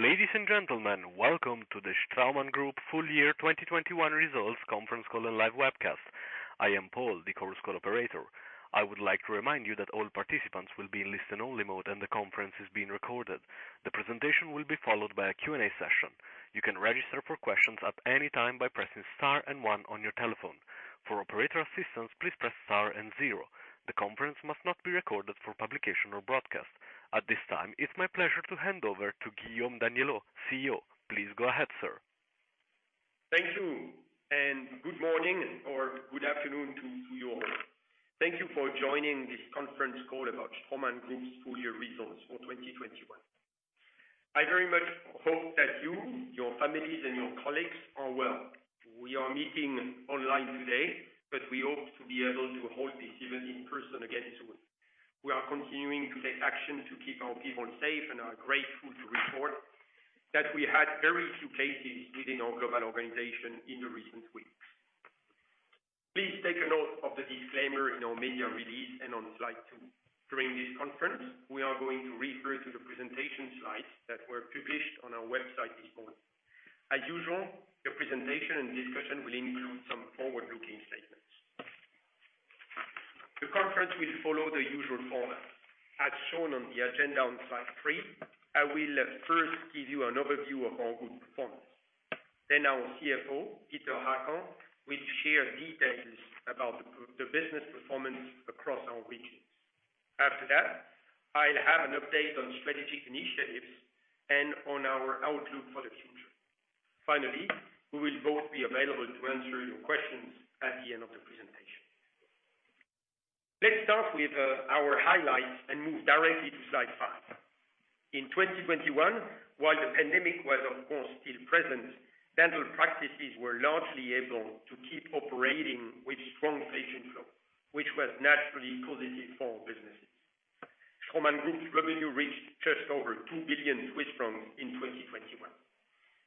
Ladies and gentlemen, welcome to the Straumann Group's full year 2021 results conference call and live webcast. I am Paul, the Chorus Call operator. I would like to remind you that all participants will be in listen-only mode, and the conference is being recorded. The presentation will be followed by a Q&A session. You can register for questions at any time by pressing star and one on your telephone. For operator assistance, please press star and zero. The conference must not be recorded for publication or broadcast. At this time, it's my pleasure to hand over to Guillaume Daniellot, CEO. Please go ahead, sir. Thank you, and good morning or good afternoon to you all. Thank you for joining this conference call about Straumann Group's full year results for 2021. I very much hope that you, your families, and your colleagues are well. We are meeting online today, but we hope to be able to hold this event in person again soon. We are continuing to take action to keep our people safe and are grateful to report that we had very few cases within our global organization in the recent weeks. Please take a note of the disclaimer in our media release and on slide 2. During this conference, we are going to refer to the presentation slides that were published on our website this morning. As usual, the presentation and discussion will include some forward-looking statements. The conference will follow the usual format. As shown on the agenda on slide 3, I will first give you an overview of our group performance. Then our CFO, Peter Hackel, will share details about the business performance across our regions. After that, I'll have an update on strategic initiatives and on our outlook for the future. Finally, we will both be available to answer your questions at the end of the presentation. Let's start with our highlights and move directly to slide 5. In 2021, while the pandemic was of course still present, dental practices were largely able to keep operating with strong patient flow, which was naturally positive for businesses. Straumann Group's revenue reached just over 2 billion Swiss francs in 2021.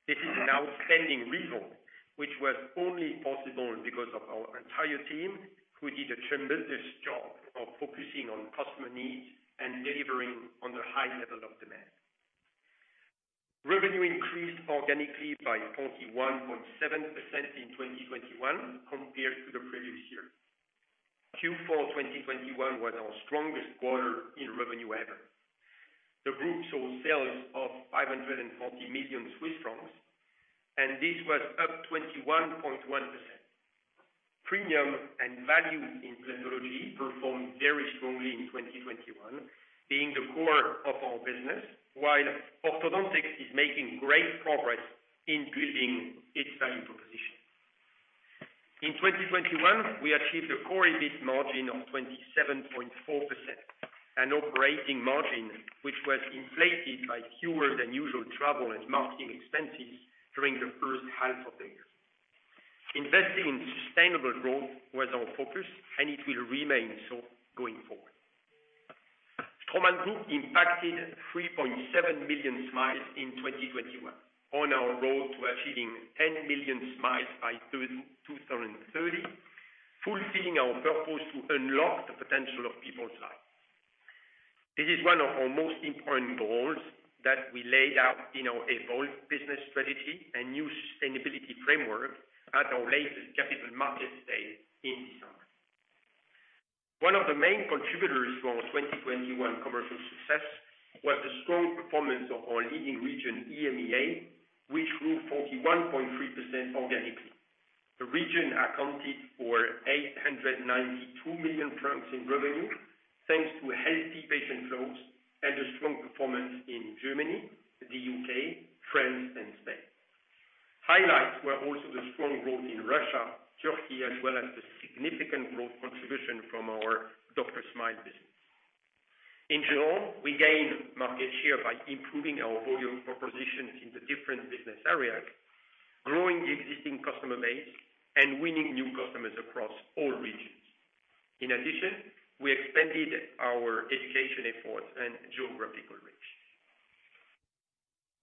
This is an outstanding result, which was only possible because of our entire team who did a tremendous job of focusing on customer needs and delivering on the high level of demand. Revenue increased organically by 41.7% in 2021 compared to the previous year. Q4 2021 was our strongest quarter in revenue ever. Group sales of 540 million Swiss francs, and this was up 21.1%. Premium and value in implantology performed very strongly in 2021, being the core of our business, while orthodontics is making great progress in building its value proposition. In 2021, we achieved a core EBIT margin of 27.4%, an operating margin which was inflated by fewer than usual travel and marketing expenses during the first half of the year. Investing in sustainable growth was our focus, and it will remain so going forward. Straumann Group impacted 3.7 million smiles in 2021 on our road to achieving 10 million smiles by 2030, fulfilling our purpose to unlock the potential of people's lives. This is one of our most important goals that we laid out in our evolved business strategy and new sustainability framework at our latest Capital Markets Day in December. One of the main contributors to our 2021 commercial success was the strong performance of our leading region, EMEA, which grew 41.3% organically. The region accounted for 892 million francs in revenue, thanks to healthy patient flows and a strong performance in Germany, the U.K., France, and Spain. Highlights were also the strong growth in Russia, Türkiye, as well as the significant growth contribution from our DrSmile business. In general, we gained market share by improving our volume propositions in the different business areas, growing the existing customer base, and winning new customers across all regions. In addition, we expanded our education efforts and geographical reach.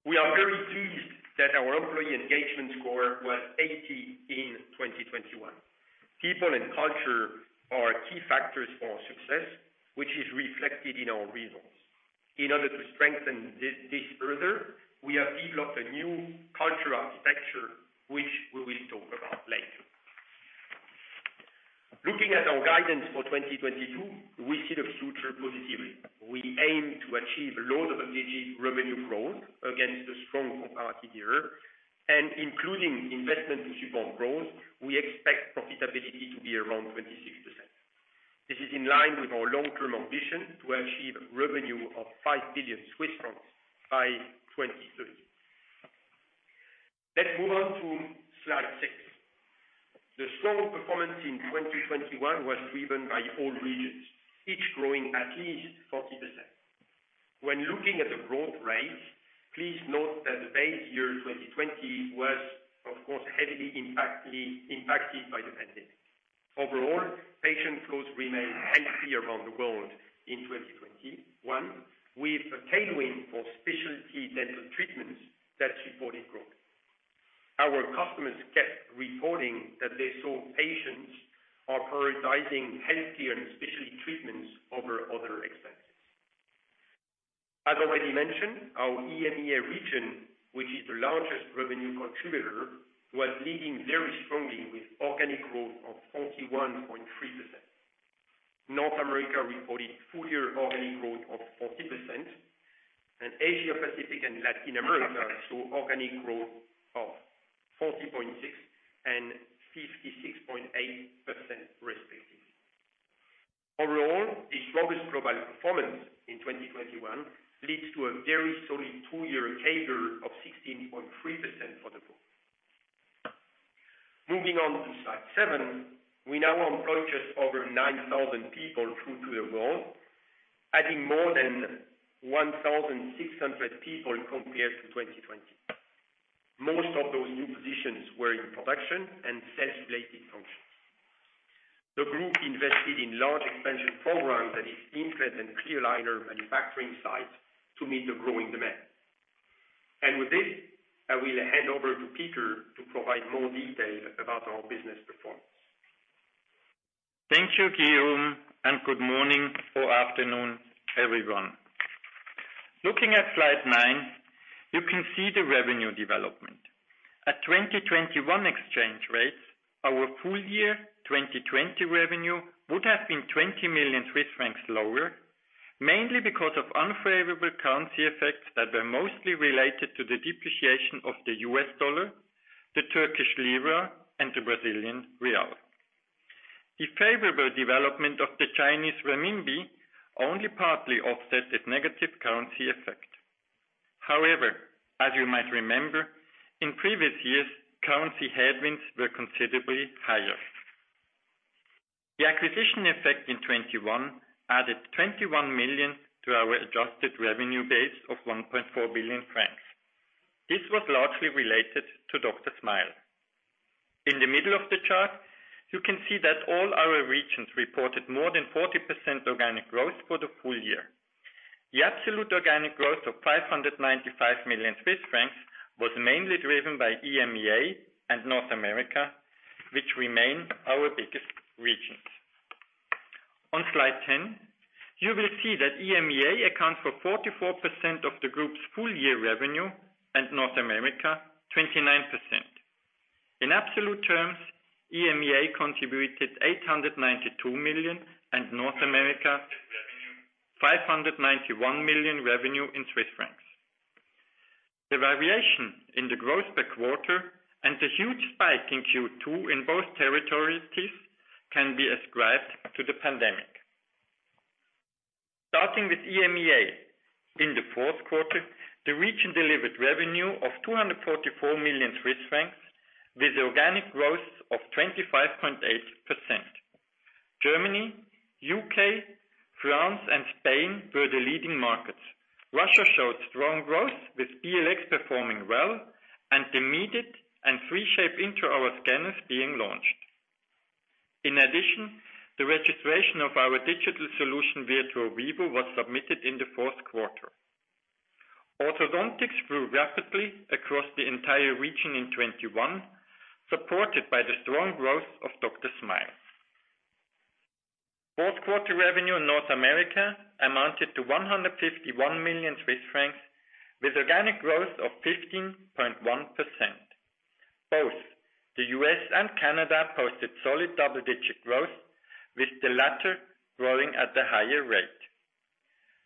We are very pleased that our employee engagement score was 80 in 2021. People and culture are key factors for our success, which is reflected in our results. In order to strengthen this further, we have developed a new culture architecture, which we will talk about later. Looking at our guidance for 2022, we see the future positively. We aim to achieve low- to mid-single-digit revenue growth against a strong comparative year. Including investment to support growth, we expect profitability to be around 26%. This is in line with our long-term ambition to achieve revenue of 5 billion Swiss francs by 2030. Let's move on to slide 6. The strong performance in 2021 was driven by all regions, each growing at least 40%. When looking at the growth rates, please note that the base year 2020 was, of course, heavily impacted by the pandemic. Overall, patient flows remained healthy around the world in 2021, with a tailwind for specialty dental treatments that supported growth. Our customers kept reporting that they saw patients are prioritizing healthcare and specialty treatments over other expenses. As already mentioned, our EMEA region, which is the largest revenue contributor, was leading very strongly with organic growth of 41.3%. North America reported full year organic growth of 40%. Asia-Pacific and Latin America saw organic growth of 40.6% and 56.8% respectively. Overall, the strongest global performance in 2021 leads to a very solid two-year CAGR of 16.3% for the group. Moving on to slide 7. We now employ just over 9,000 people throughout the world, adding more than 1,600 people compared to 2020. Most of those new positions were in production and sales-related functions. The group invested in large expansion programs at its implant and clear aligner manufacturing sites to meet the growing demand. With this, I will hand over to Peter to provide more detail about our business performance. Thank you, Guillaume, and good morning or afternoon, everyone. Looking at slide 9, you can see the revenue development. At 2021 exchange rates, our full year 2020 revenue would have been 20 million Swiss francs lower, mainly because of unfavorable currency effects that were mostly related to the depreciation of the U.S. dollar, the Turkish lira, and the Brazilian real. The favorable development of the Chinese renminbi only partly offset this negative currency effect. However, as you might remember, in previous years, currency headwinds were considerably higher. The acquisition effect in 2021 added 21 million to our adjusted revenue base of 1.4 billion francs. This was largely related to DrSmile. In the middle of the chart, you can see that all our regions reported more than 40% organic growth for the full year. The absolute organic growth of 595 million Swiss francs was mainly driven by EMEA and North America, which remain our biggest regions. On slide 10, you will see that EMEA accounts for 44% of the group's full year revenue and North America, 29%. In absolute terms, EMEA contributed 892 million and North America 591 million revenue. The variation in the growth per quarter and the huge spike in Q2 in both territories can be ascribed to the pandemic. Starting with EMEA. In the fourth quarter, the region delivered revenue of 244 million Swiss francs with organic growth of 25.8%. Germany, U.K., France, and Spain were the leading markets. Russia showed strong growth with BLX performing well and the Medit and 3Shape intraoral scanners being launched. In addition, the registration of our digital solution Virtuo Vivo was submitted in the fourth quarter. Orthodontics grew rapidly across the entire region in 2021, supported by the strong growth of DrSmile. Fourth quarter revenue in North America amounted to 151 million Swiss francs, with organic growth of 15.1%. Both the U.S. and Canada posted solid double-digit growth, with the latter growing at the higher rate.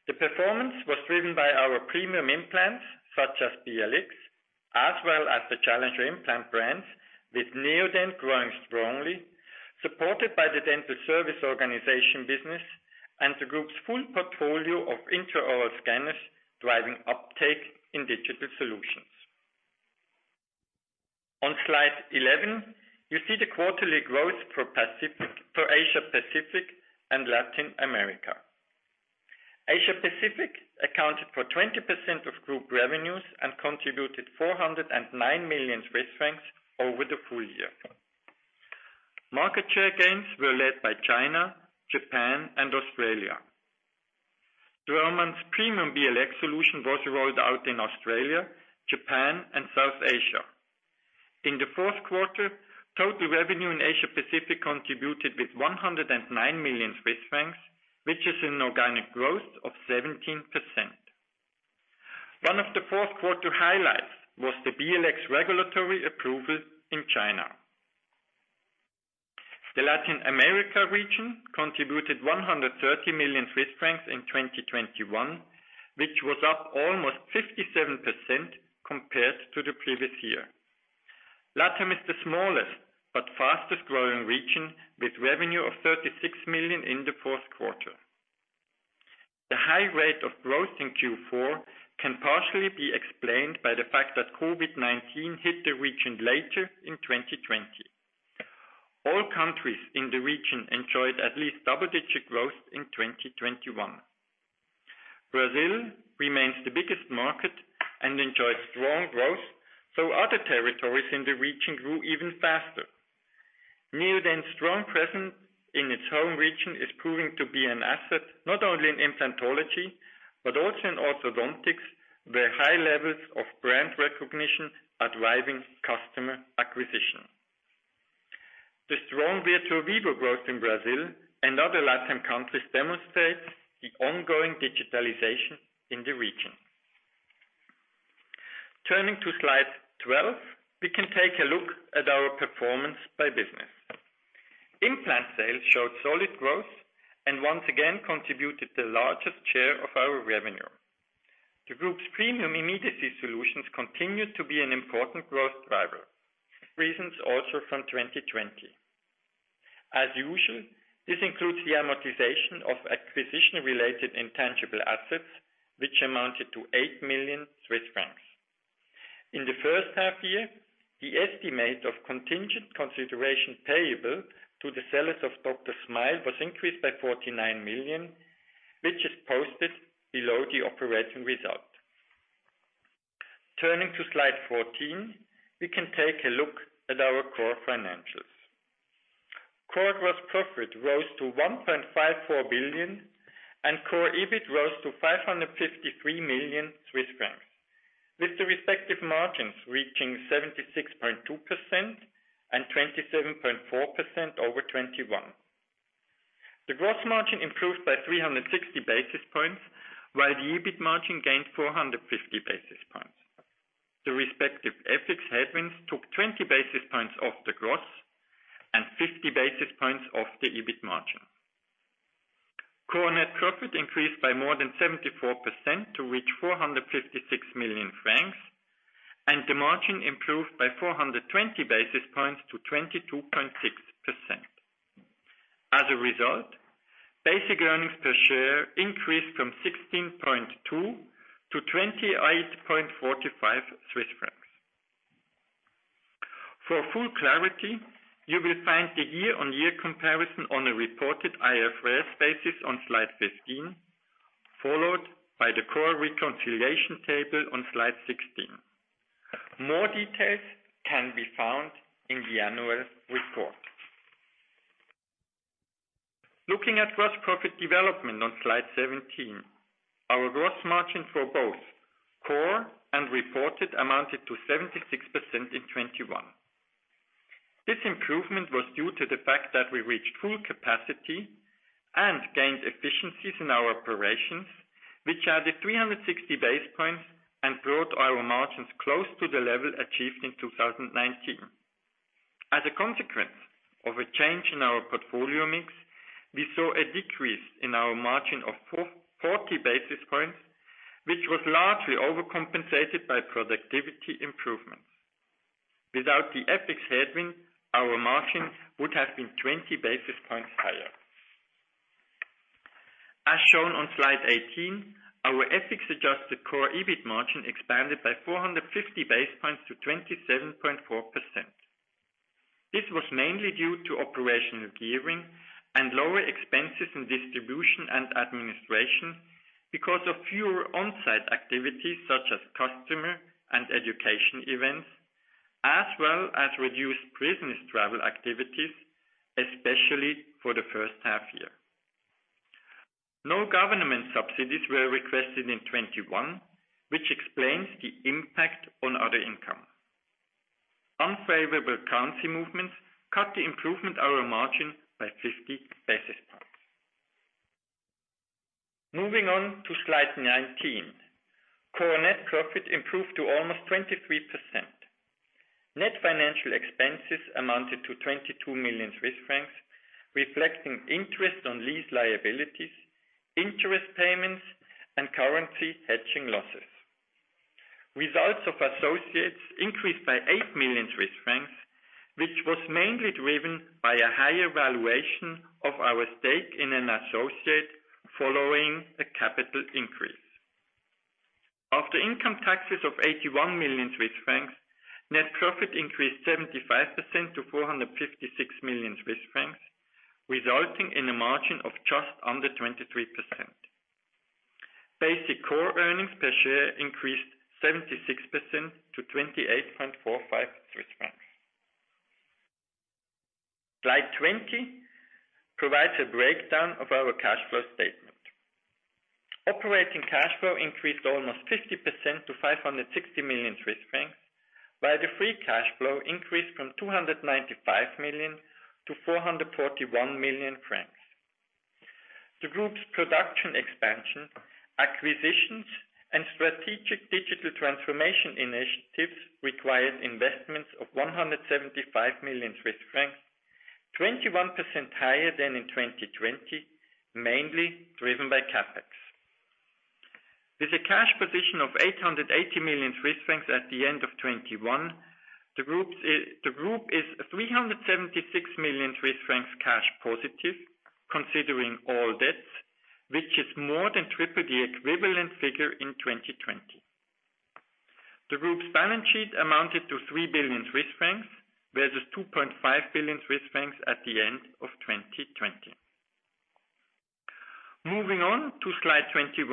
The performance was driven by our premium implants, such as BLX, as well as the challenger implant brands with Neodent growing strongly, supported by the dental service organization business and the group's full portfolio of intraoral scanners driving uptake in digital solutions. On slide 11, you see the quarterly growth for Asia-Pacific and Latin America. Asia-Pacific accounted for 20% of group revenues and contributed 409 million Swiss francs over the full year. Market share gains were led by China, Japan, and Australia. Straumann's premium BLX solution was rolled out in Australia, Japan, and South Asia. In the fourth quarter, total revenue in Asia-Pacific contributed 109 million Swiss francs, which is an organic growth of 17%. One of the fourth quarter highlights was the BLX regulatory approval in China. The Latin America region contributed 130 million Swiss francs in 2021, which was up almost 57% compared to the previous year. LatAm is the smallest but fastest-growing region, with revenue of 36 million in the fourth quarter. The high rate of growth in Q4 can partially be explained by the fact that COVID-19 hit the region later in 2020. All countries in the region enjoyed at least double-digit growth in 2021. Brazil remains the biggest market and enjoys strong growth, though other territories in the region grew even faster. Neodent's strong presence in its home region is proving to be an asset, not only in implantology, but also in orthodontics, where high levels of brand recognition are driving customer acquisition. The strong Virtuo Vivo growth in Brazil and other Latin countries demonstrates the ongoing digitalization in the region. Turning to slide 12, we can take a look at our performance by business. Implant sales showed solid growth and once again contributed the largest share of our revenue. The group's premium immediate solutions continued to be an important growth driver. Reasons also from 2020. As usual, this includes the amortization of acquisition-related intangible assets, which amounted to 8 million Swiss francs. In the first half year, the estimate of contingent consideration payable to the sellers of DrSmile was increased by 49 million, which is posted below the operating result. Turning to slide 14, we can take a look at our core financials. Core gross profit rose to 1.54 billion, and core EBIT rose to 553 million Swiss francs, with the respective margins reaching 76.2% and 27.4% over 2021. The gross margin improved by 360 basis points, while the EBIT margin gained 450 basis points. The respective FX headwinds took 20 basis points off the gross and 50 basis points off the EBIT margin. Core net profit increased by more than 74% to reach 456 million francs, and the margin improved by 420 basis points to 22.6%. As a result, basic earnings per share increased from 16.2-28.45 Swiss francs. For full clarity, you will find the year-on-year comparison on a reported IFRS basis on slide 15, followed by the core reconciliation table on slide 16. More details can be found in the annual report. Looking at gross profit development on slide 17, our gross margin for both core and reported amounted to 76% in 2021. This improvement was due to the fact that we reached full capacity and gained efficiencies in our operations, which added 360 basis points and brought our margins close to the level achieved in 2019. As a consequence of a change in our portfolio mix, we saw a decrease in our margin of 40 basis points, which was largely overcompensated by productivity improvements. Without the FX headwind, our margins would have been 20 basis points higher. As shown on slide 18, our FX-adjusted core EBIT margin expanded by 450 basis points to 27.4%. This was mainly due to operational gearing and lower expenses in distribution and administration because of fewer on-site activities such as customer and education events, as well as reduced business travel activities, especially for the first half year. No government subsidies were requested in 2021, which explains the impact on other income. Unfavorable currency movements cut the improvement of our margin by 50 basis points. Moving on to slide 19. Core net profit improved to almost 23%. Net financial expenses amounted to 22 million Swiss francs, reflecting interest on lease liabilities, interest payments, and currency hedging losses. Results of associates increased by 8 million Swiss francs, which was mainly driven by a higher valuation of our stake in an associate following a capital increase. After income taxes of 81 million Swiss francs, net profit increased 75% to 456 million Swiss francs, resulting in a margin of just under 23%. Basic core earnings per share increased 76% to 28.45 Swiss francs. Slide 20 provides a breakdown of our cash flow statement. Operating cash flow increased almost 50% to 560 million Swiss francs, while the free cash flow increased from 295 million-441 million francs. The group's production expansion, acquisitions, and strategic digital transformation initiatives required investments of 175 million Swiss francs, 21% higher than in 2020, mainly driven by CapEx. With a cash position of 880 million Swiss francs at the end of 2021, the group is 376 million Swiss francs cash positive considering all debts, which is more than triple the equivalent figure in 2020. The group's balance sheet amounted to 3 billion Swiss francs versus 2.5 billion Swiss francs at the end of 2021. Moving on to slide 21.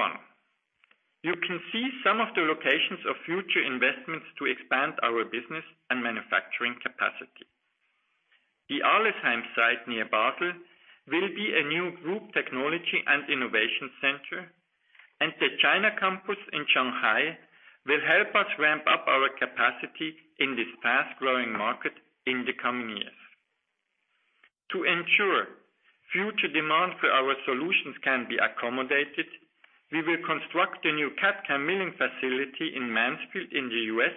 You can see some of the locations of future investments to expand our business and manufacturing capacity. The Arlesheim site near Basel will be a new group technology and innovation center, and the China campus in Shanghai will help us ramp up our capacity in this fast growing market in the coming years. To ensure future demand for our solutions can be accommodated, we will construct a new CADCAM milling facility in Mansfield in the U.S.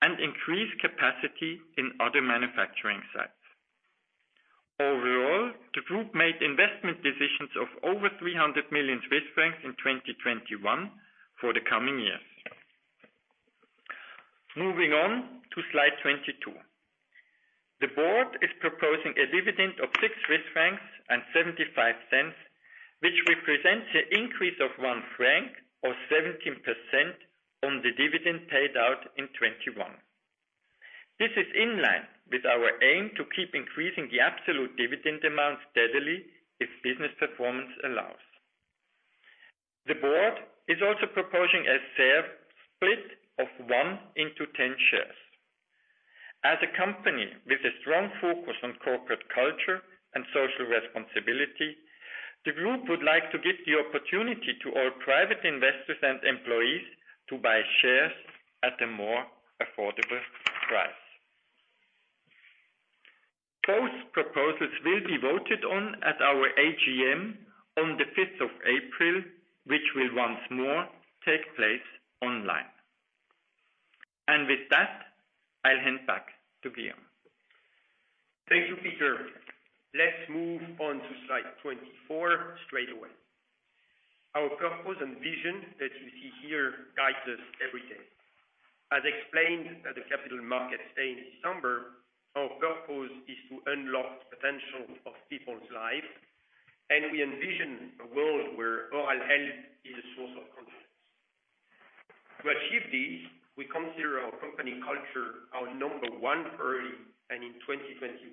and increase capacity in other manufacturing sites. Overall, the group made investment decisions of over 300 million Swiss francs in 2021 for the coming years. Moving on to slide 22. The Board is proposing a dividend of 6.75 Swiss francs, which represents an increase of 1 franc or 17% on the dividend paid out in 2021. This is in line with our aim to keep increasing the absolute dividend amount steadily if business performance allows. The Board is also proposing a share split of 1 into 10 shares. As a company with a strong focus on corporate culture and social responsibility, the group would like to give the opportunity to all private investors and employees to buy shares at a more affordable price. Both proposals will be voted on at our AGM on April 5th, which will once more take place online. With that, I'll hand back to Guillaume. Thank you, Peter. Let's move on to slide 24 straight away. Our purpose and vision that you see here guides us every day. As explained at the Capital Markets Day in December, our purpose is to unlock potential of people's lives, and we envision a world where oral health is a source of confidence. To achieve this, we consider our company culture our number one priority, and in 2021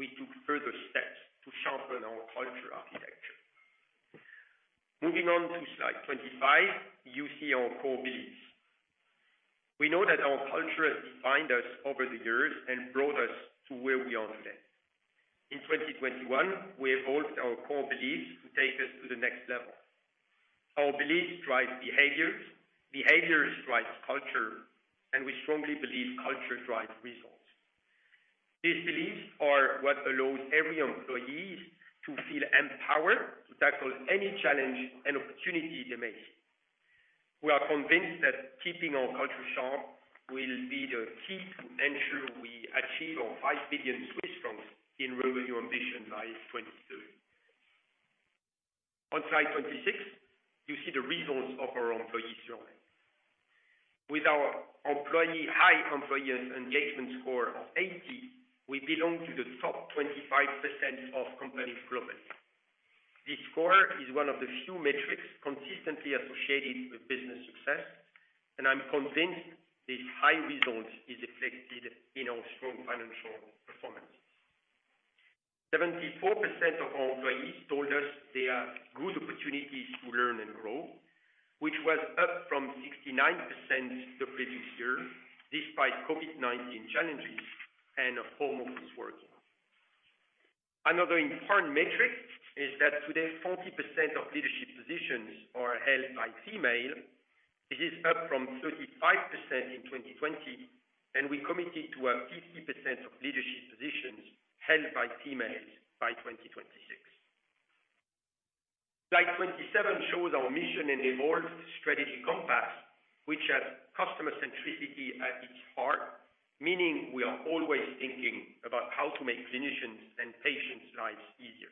we took further steps to sharpen our culture architecture. Moving on to slide 25, you see our core beliefs. We know that our culture has defined us over the years and brought us to where we are today. In 2021, we evolved our core beliefs to take us to the next level. Our beliefs drive behaviors drive culture, and we strongly believe culture drives results. These beliefs are what allows every employee to feel empowered to tackle any challenge and opportunity they may see. We are convinced that keeping our culture sharp will be the key to ensure we achieve our 5 billion Swiss francs in revenue ambition by 2030. On slide 26, you see the results of our employee survey. With our high employee engagement score of 80, we belong to the top 25% of companies globally. This score is one of the few metrics consistently associated with business success, and I'm convinced this high result is reflected in our strong financial performance. 74% of our employees told us there are good opportunities to learn and grow, which was up from 69% the previous year, despite COVID-19 challenges and home office working. Another important metric is that today 40% of leadership positions are held by female. This is up from 35% in 2020, and we're committed to have 50% of leadership positions held by females by 2026. Slide 27 shows our mission and evolved strategic compass, which has customer centricity at its heart, meaning we are always thinking about how to make clinicians' and patients' lives easier.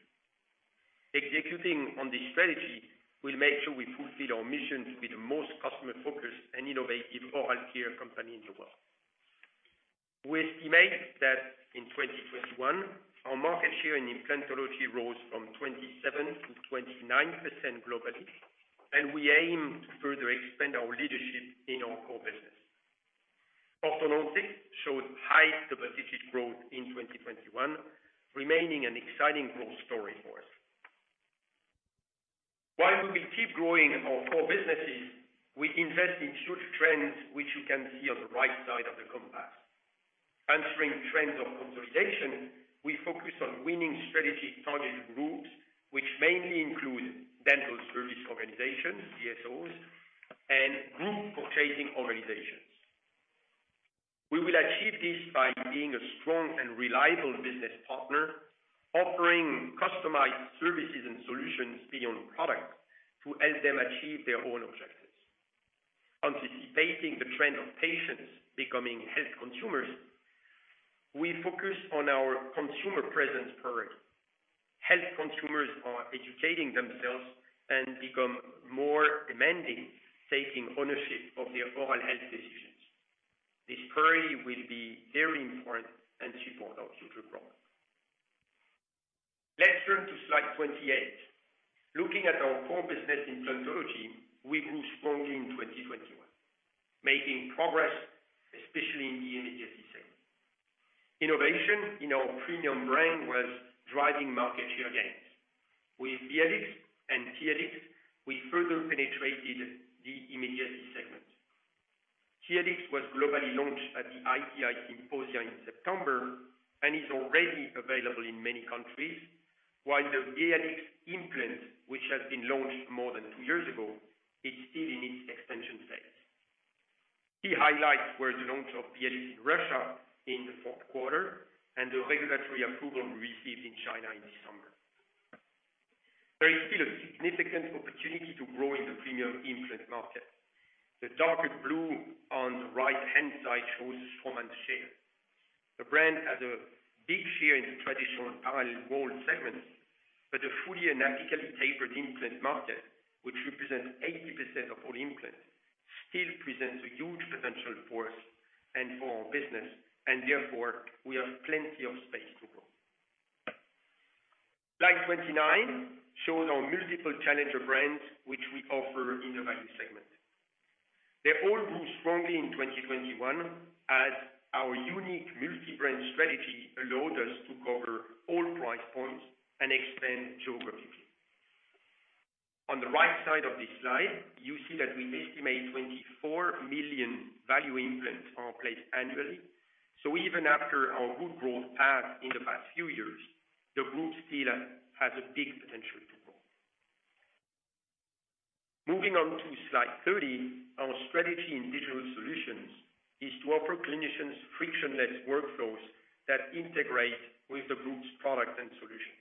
Executing on this strategy will make sure we fulfill our mission to be the most customer focused and innovative oral care company in the world. We estimate that in 2021, our market share in implantology rose from 27%-29% globally, and we aim to further expand our leadership in our core business. Orthodontics showed high double-digit growth in 2021, remaining an exciting growth story for us. While we will keep growing our core businesses, we invest in future trends, which you can see on the right side of the compass. Answering trends of consolidation, we focus on winning strategic target groups, which mainly include dental service organizations, DSOs, and group purchasing organizations. We will achieve this by being a strong and reliable business partner, offering customized services and solutions beyond product to help them achieve their own objectives. Anticipating the trend of patients becoming health consumers, we focus on our consumer presence priority. Health consumers are educating themselves and become more demanding, taking ownership of their oral health decisions. This priority will be very important and support our future growth. Let's turn to slide 28. Looking at our core business implantology, we grew strongly in 2021, making progress, especially in the United States. Innovation in our premium brand was driving market share gains. With BLX and TLX, we further penetrated the immediacy segment. BLX was globally launched at the ITI Symposium in September and is already available in many countries, while the BLX implant, which has been launched more than two years ago, is still in its expansion phase. Key highlights were the launch of BLX in Russia in the fourth quarter and the regulatory approval received in China in December. There is still a significant opportunity to grow in the premium implant market. The darker blue on the right-hand side shows Straumann's share. The brand has a big share in the traditional parallel-walled segments, but the fully anatomically tapered implant market, which represents 80% of all implants, still presents a huge potential for us and for our business, and therefore we have plenty of space to grow. Slide 29 shows our multiple challenger brands which we offer in the value segment. They all grew strongly in 2021 as our unique multi-brand strategy allowed us to cover all price points and expand geographically. On the right side of this slide, you see that we estimate 24 million value implants are placed annually. Even after our good growth path in the past few years, the group still has a big potential to grow. Moving on to slide 30. Our strategy in digital solutions is to offer clinicians frictionless workflows that integrate with the group's products and solutions.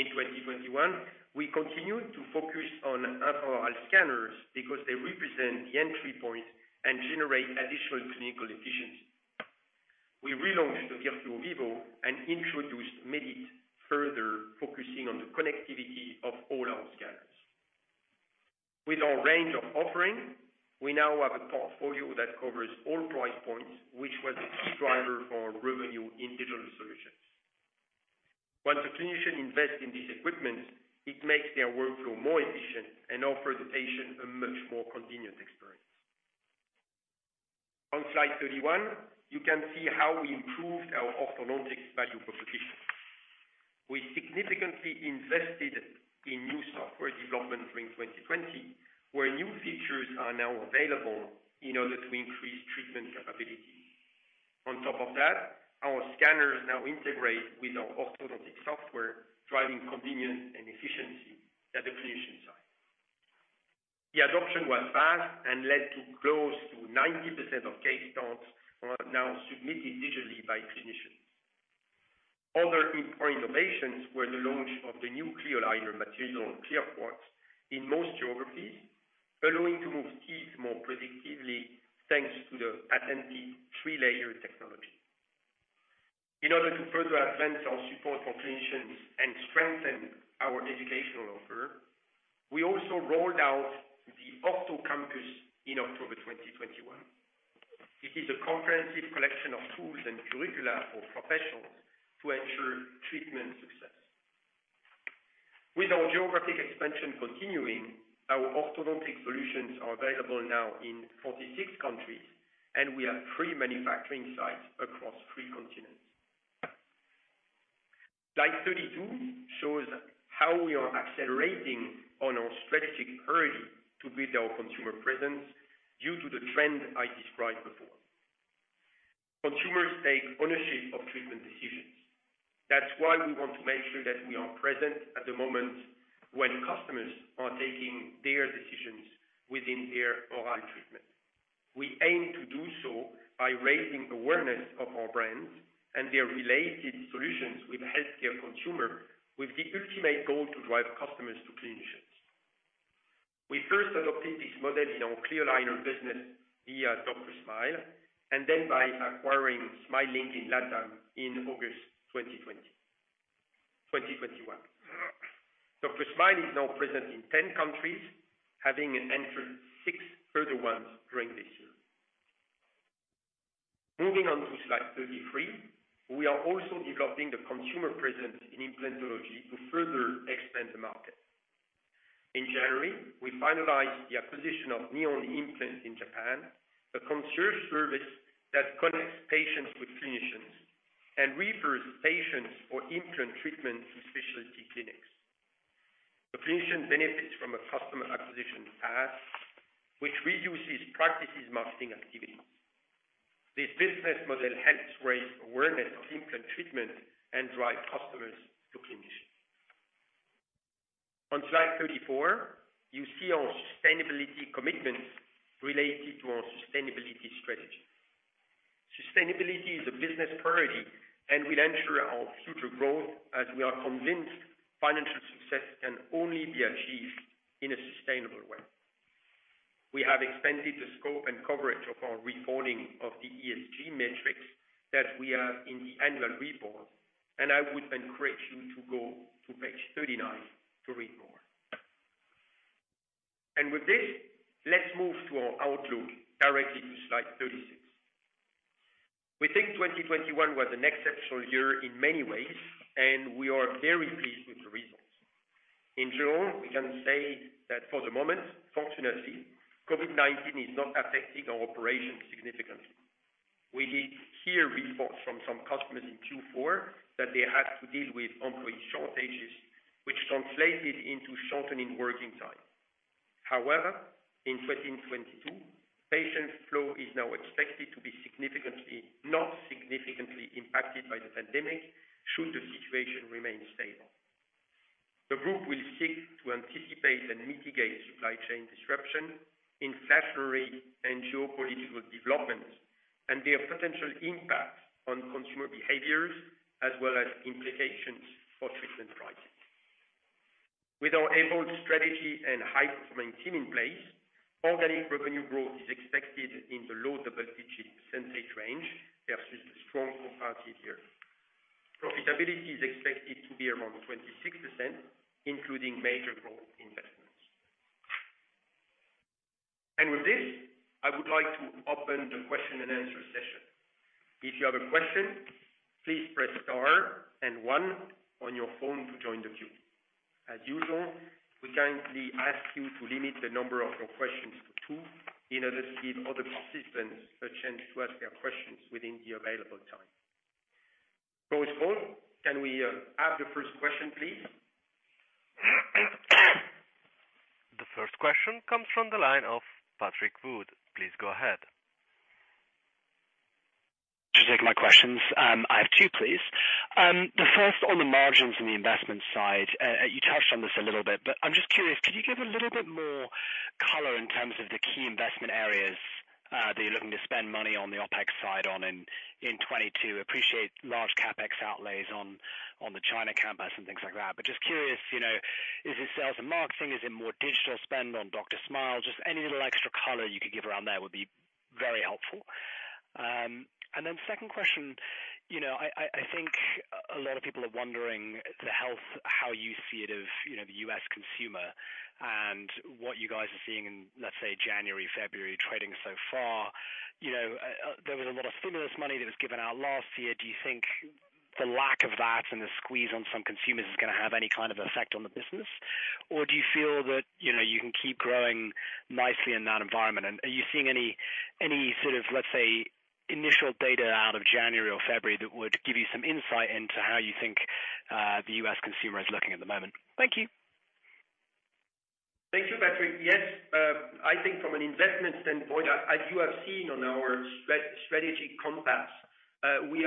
In 2021, we continued to focus on intraoral scanners because they represent the entry point and generate additional clinical efficiency. We relaunched the Virtuo Vivo and introduced Medit, further focusing on the connectivity of all our scanners. With our range of offering, we now have a portfolio that covers all price points, which was a key driver for revenue in digital solutions. Once a clinician invests in this equipment, it makes their workflow more efficient and offers the patient a much more convenient experience. On slide 31, you can see how we improved our orthodontic value proposition. We significantly invested in new software development during 2020, where new features are now available in order to increase treatment capability. On top of that, our scanners now integrate with our orthodontic software, driving convenience and efficiency at the clinician side. The adoption was fast and led to close to 90% of case starts are now submitted digitally by clinicians. Other important innovations were the launch of the new clear aligner material, ClearQuartz, in most geographies, allowing to move teeth more predictively thanks to the authentic tri-layer technology. In order to further advance our support for clinicians and strengthen our educational offer, we also rolled out the Ortho Campus in October 2021. It is a comprehensive collection of tools and curricula for professionals to ensure treatment success. With our geographic expansion continuing, our orthodontic solutions are available now in 46 countries, and we have three manufacturing sites across three continents. Slide 32 shows how we are accelerating on our strategic journey to build our consumer presence due to the trend I described before. Consumers take ownership of treatment decisions. That's why we want to make sure that we are present at the moment when customers are taking their decisions within their oral treatment. We aim to do so by raising awareness of our brands and their related solutions with healthcare consumer, with the ultimate goal to drive customers to clinicians. We first adopted this model in our clear aligner business via DrSmile, and then by acquiring Smilink in Latin America in August 2021. DrSmile is now present in 10 countries, having entered six further ones during this year. Moving on to slide 33. We are also developing the consumer presence in implantology to further expand the market. In January, we finalized the acquisition of Nihon Implant in Japan, a concierge service that connects patients with clinicians and refers patients for implant treatment to specialty clinics. The clinician benefits from a customer acquisition path, which reduces practice's marketing activities. This business model helps raise awareness of implant treatment and drive customers to clinicians. On slide 34, you see our sustainability commitment related to our sustainability strategy. Sustainability is a business priority, and we'll ensure our future growth as we are convinced financial success can only be achieved in a sustainable way. We have expanded the scope and coverage of our reporting of the ESG metrics that we have in the annual report, and I would encourage you to go to page 39 to read more. With this, let's move to our outlook directly to slide 36. We think 2021 was an exceptional year in many ways and we are very pleased with the results. In general, we can say that for the moment, fortunately, COVID-19 is not affecting our operations significantly. We did hear reports from some customers in Q4 that they had to deal with employee shortages, which translated into shortening working time. However, in 2022, patient flow is now expected to be not significantly impacted by the pandemic should the situation remain stable. The group will seek to anticipate and mitigate supply chain disruption, inflationary and geopolitical developments and their potential impact on consumer behaviors as well as implications for treatment prices. With our evolved strategy and high performing team in place, organic revenue growth is expected in the low double digit percentage range versus the strong comparison here. Profitability is expected to be around 26%, including major growth investments. With this, I would like to open the question-and-answer session. If you have a question, please press star and one on your phone to join the queue. As usual, we kindly ask you to limit the number of your questions to two, in order to give other participants a chance to ask their questions within the available time. Paul, can we have the first question, please? The first question comes from the line of Patrick Wood. Please go ahead. To take my questions, I have two, please. The first on the margins and the investment side. You touched on this a little bit, but I'm just curious, could you give a little bit more color in terms of the key investment areas that you're looking to spend money on the OpEx side on in 2022? Appreciate large CapEx outlays on the China campus and things like that. But just curious, you know, is it sales and marketing? Is it more digital spend on DrSmile? Just any little extra color you could give around there would be very helpful. And then second question, you know, I think a lot of people are wondering the health, how you see it of, you know, the U.S. consumer and what you guys are seeing in, let's say, January, February trading so far. You know, there was a lot of stimulus money that was given out last year. Do you think the lack of that and the squeeze on some consumers is gonna have any kind of effect on the business? Or do you feel that, you know, you can keep growing nicely in that environment? Are you seeing any sort of, let's say, initial data out of January or February that would give you some insight into how you think, the U.S. consumer is looking at the moment? Thank you. Thank you, Patrick. Yes, I think from an investment standpoint, as you have seen on our strategic compass, we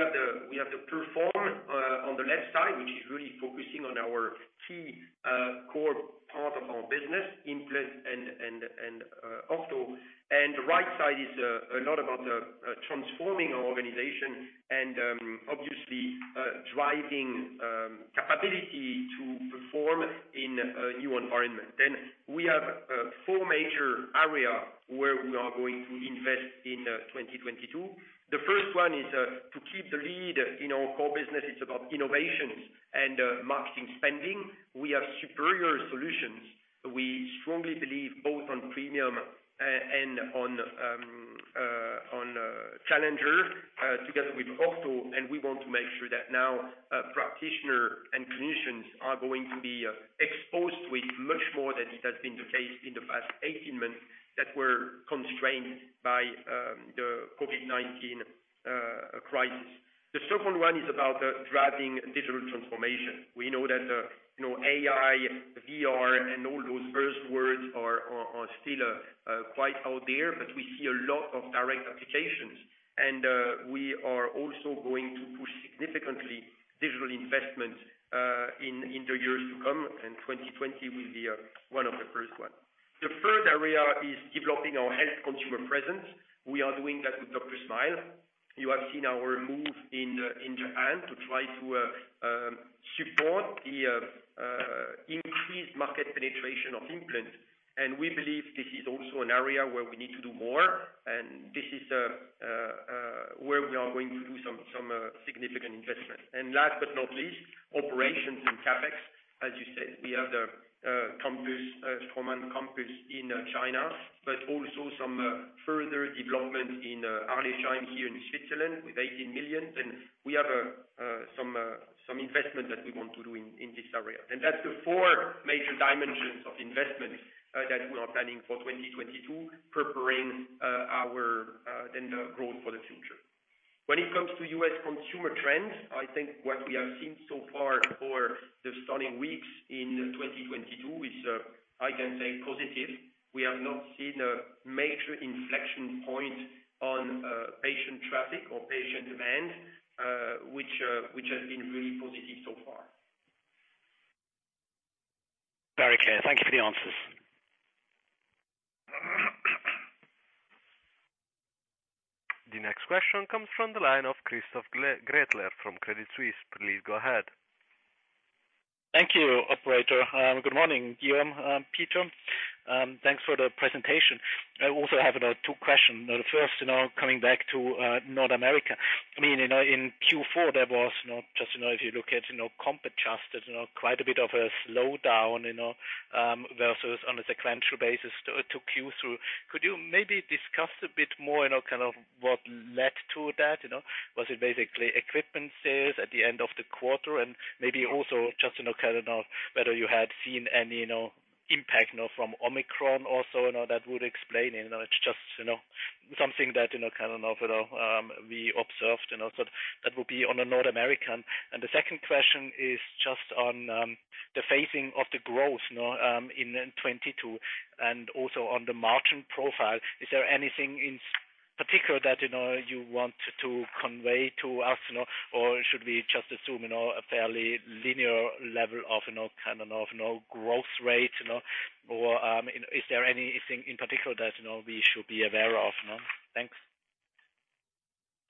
have to perform on the left side, which is really focusing on our key core part of our business, implant and ortho. The right side is a lot about transforming our organization and obviously driving capability to perform in a new environment. We have four major areas where we are going to invest in 2022. The first one is to keep the lead in our core business. It's about innovations and marketing spending. We have superior solutions. We strongly believe both on premium and on challenger together with ortho, and we want to make sure that now practitioner and clinicians are going to be exposed with much more than has been the case in the past 18 months that were constrained by the COVID-19 crisis. The second one is about driving digital transformation. We know that you know, AI, VR, and all those buzzwords are still quite out there, but we see a lot of direct applications, and we are also going to push significantly digital investments in the years to come, and 2020 will be one of the first ones. The third area is developing our direct-to-consumer presence. We are doing that with DrSmile. You have seen our move in Japan to try to support the increased market penetration of implants. We believe this is also an area where we need to do more, and this is where we are going to do some significant investment. Last but not least, operations and CapEx. As you said, we have the Straumann campus in China, but also some further development in Arlesheim here in Switzerland with 18 million. We have some investment that we want to do in this area. That's the four major dimensions of investment that we are planning for 2022, preparing for the growth for the future. When it comes to U.S. consumer trends, I think what we have seen so far for the starting weeks in 2022 is, I can say, positive. We have not seen a major inflection point on patient traffic or patient demand, which has been really positive so far. Very clear. Thank you for the answers. The next question comes from the line of Christoph Gretler from Credit Suisse. Please go ahead. Thank you, operator. Good morning, Guillaume and Peter. Thanks for the presentation. I also have two questions. The first, you know, coming back to North America. I mean, you know, in Q4 there was, you know, just if you look at comp adjusted, you know, quite a bit of a slowdown versus on a sequential basis to what you took us through. Could you maybe discuss a bit more, you know, kind of what led to that? Was it basically equipment sales at the end of the quarter? And maybe also just, you know, kind of whether you had seen any impact from Omicron also that would explain it. You know, it's just, you know, something that kind of we observed, so that would be on the North American. The second question is just on, the phasing of the growth in 2022 and also on the margin profile. Is there anything in particular that, you know, you want to convey to us? Or should we just assume, you know, a fairly linear level, kind of growth rate? Or, is there anything in particular that, you know, we should be aware of? Thanks.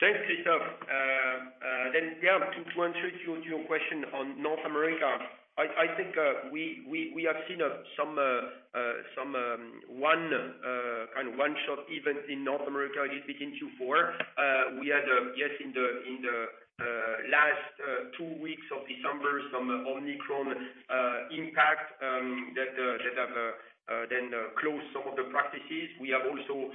Thanks, Christoph. To answer your question on North America, I think we have seen some kind of one-shot event in North America beginning Q4. We had in the last two weeks of December some Omicron impact that then closed some of the practices. We have also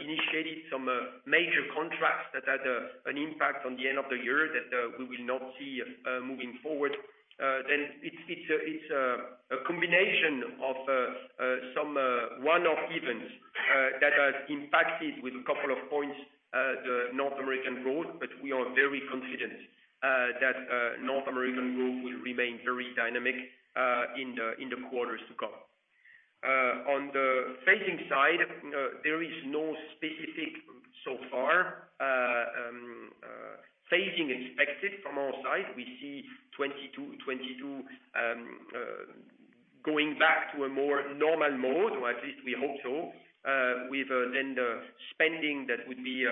initiated some major contracts that had an impact on the end of the year that we will not see moving forward. It's a combination of some one-off events that has impacted with a couple of points the North American growth, but we are very confident that North American growth will remain very dynamic in the quarters to come. On the phasing side, there is no specific phasing so far expected from our side. We see 2022 going back to a more normal mode, or at least we hope so, with the spending that would be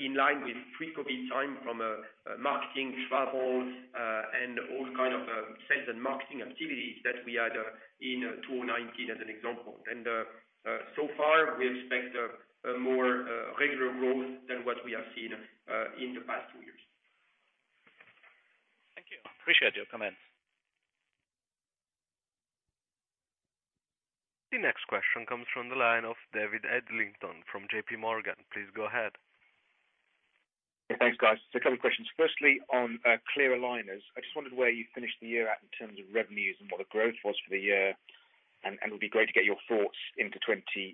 in line with pre-COVID time from marketing travels and all kinds of sales and marketing activities that we had in 2019 as an example. So far we expect a more regular growth than what we have seen in the past two years. Thank you. I appreciate your comments. The next question comes from the line of David Adlington from JPMorgan. Please go ahead. Yeah, thanks, guys. A couple questions. Firstly, on clear aligners, I just wondered where you finished the year at in terms of revenues and what the growth was for the year, and it would be great to get your thoughts into 2022.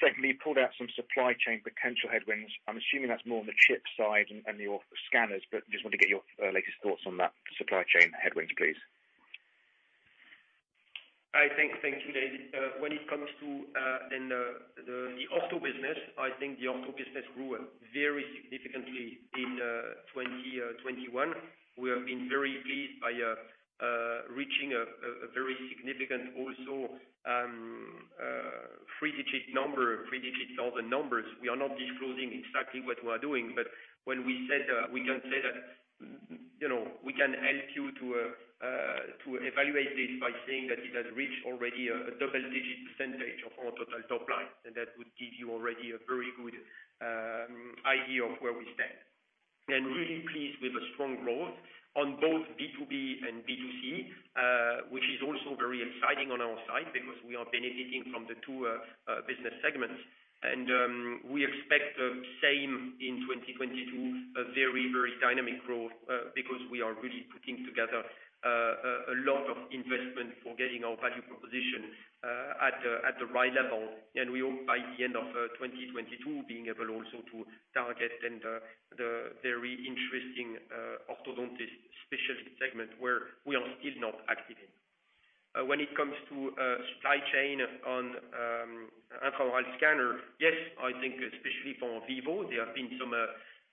Secondly, you pulled out some supply chain potential headwinds. I'm assuming that's more on the chip side and the ortho scanners, but I just want to get your latest thoughts on that supply chain headwinds, please. Thank you, David. When it comes to the ortho business, I think the ortho business grew very significantly in 2021. We have been very pleased by reaching a very significant also three-digit numbers. We are not disclosing exactly what we are doing, but when we said we can say that, you know, we can help you to evaluate this by saying that it has reached already a double-digit percentage of our total top line, and that would give you already a very good idea of where we stand. Really pleased with the strong growth on both B2B and B2C, which is also very exciting on our side because we are benefiting from the two business segments. We expect the same in 2022, a very dynamic growth, because we are really putting together a lot of investment for getting our value proposition at the right level. We hope by the end of 2022 being able also to target then the very interesting orthodontist specialist segment where we are still not active in. When it comes to supply chain on intraoral scanner, yes, I think especially for Vivo,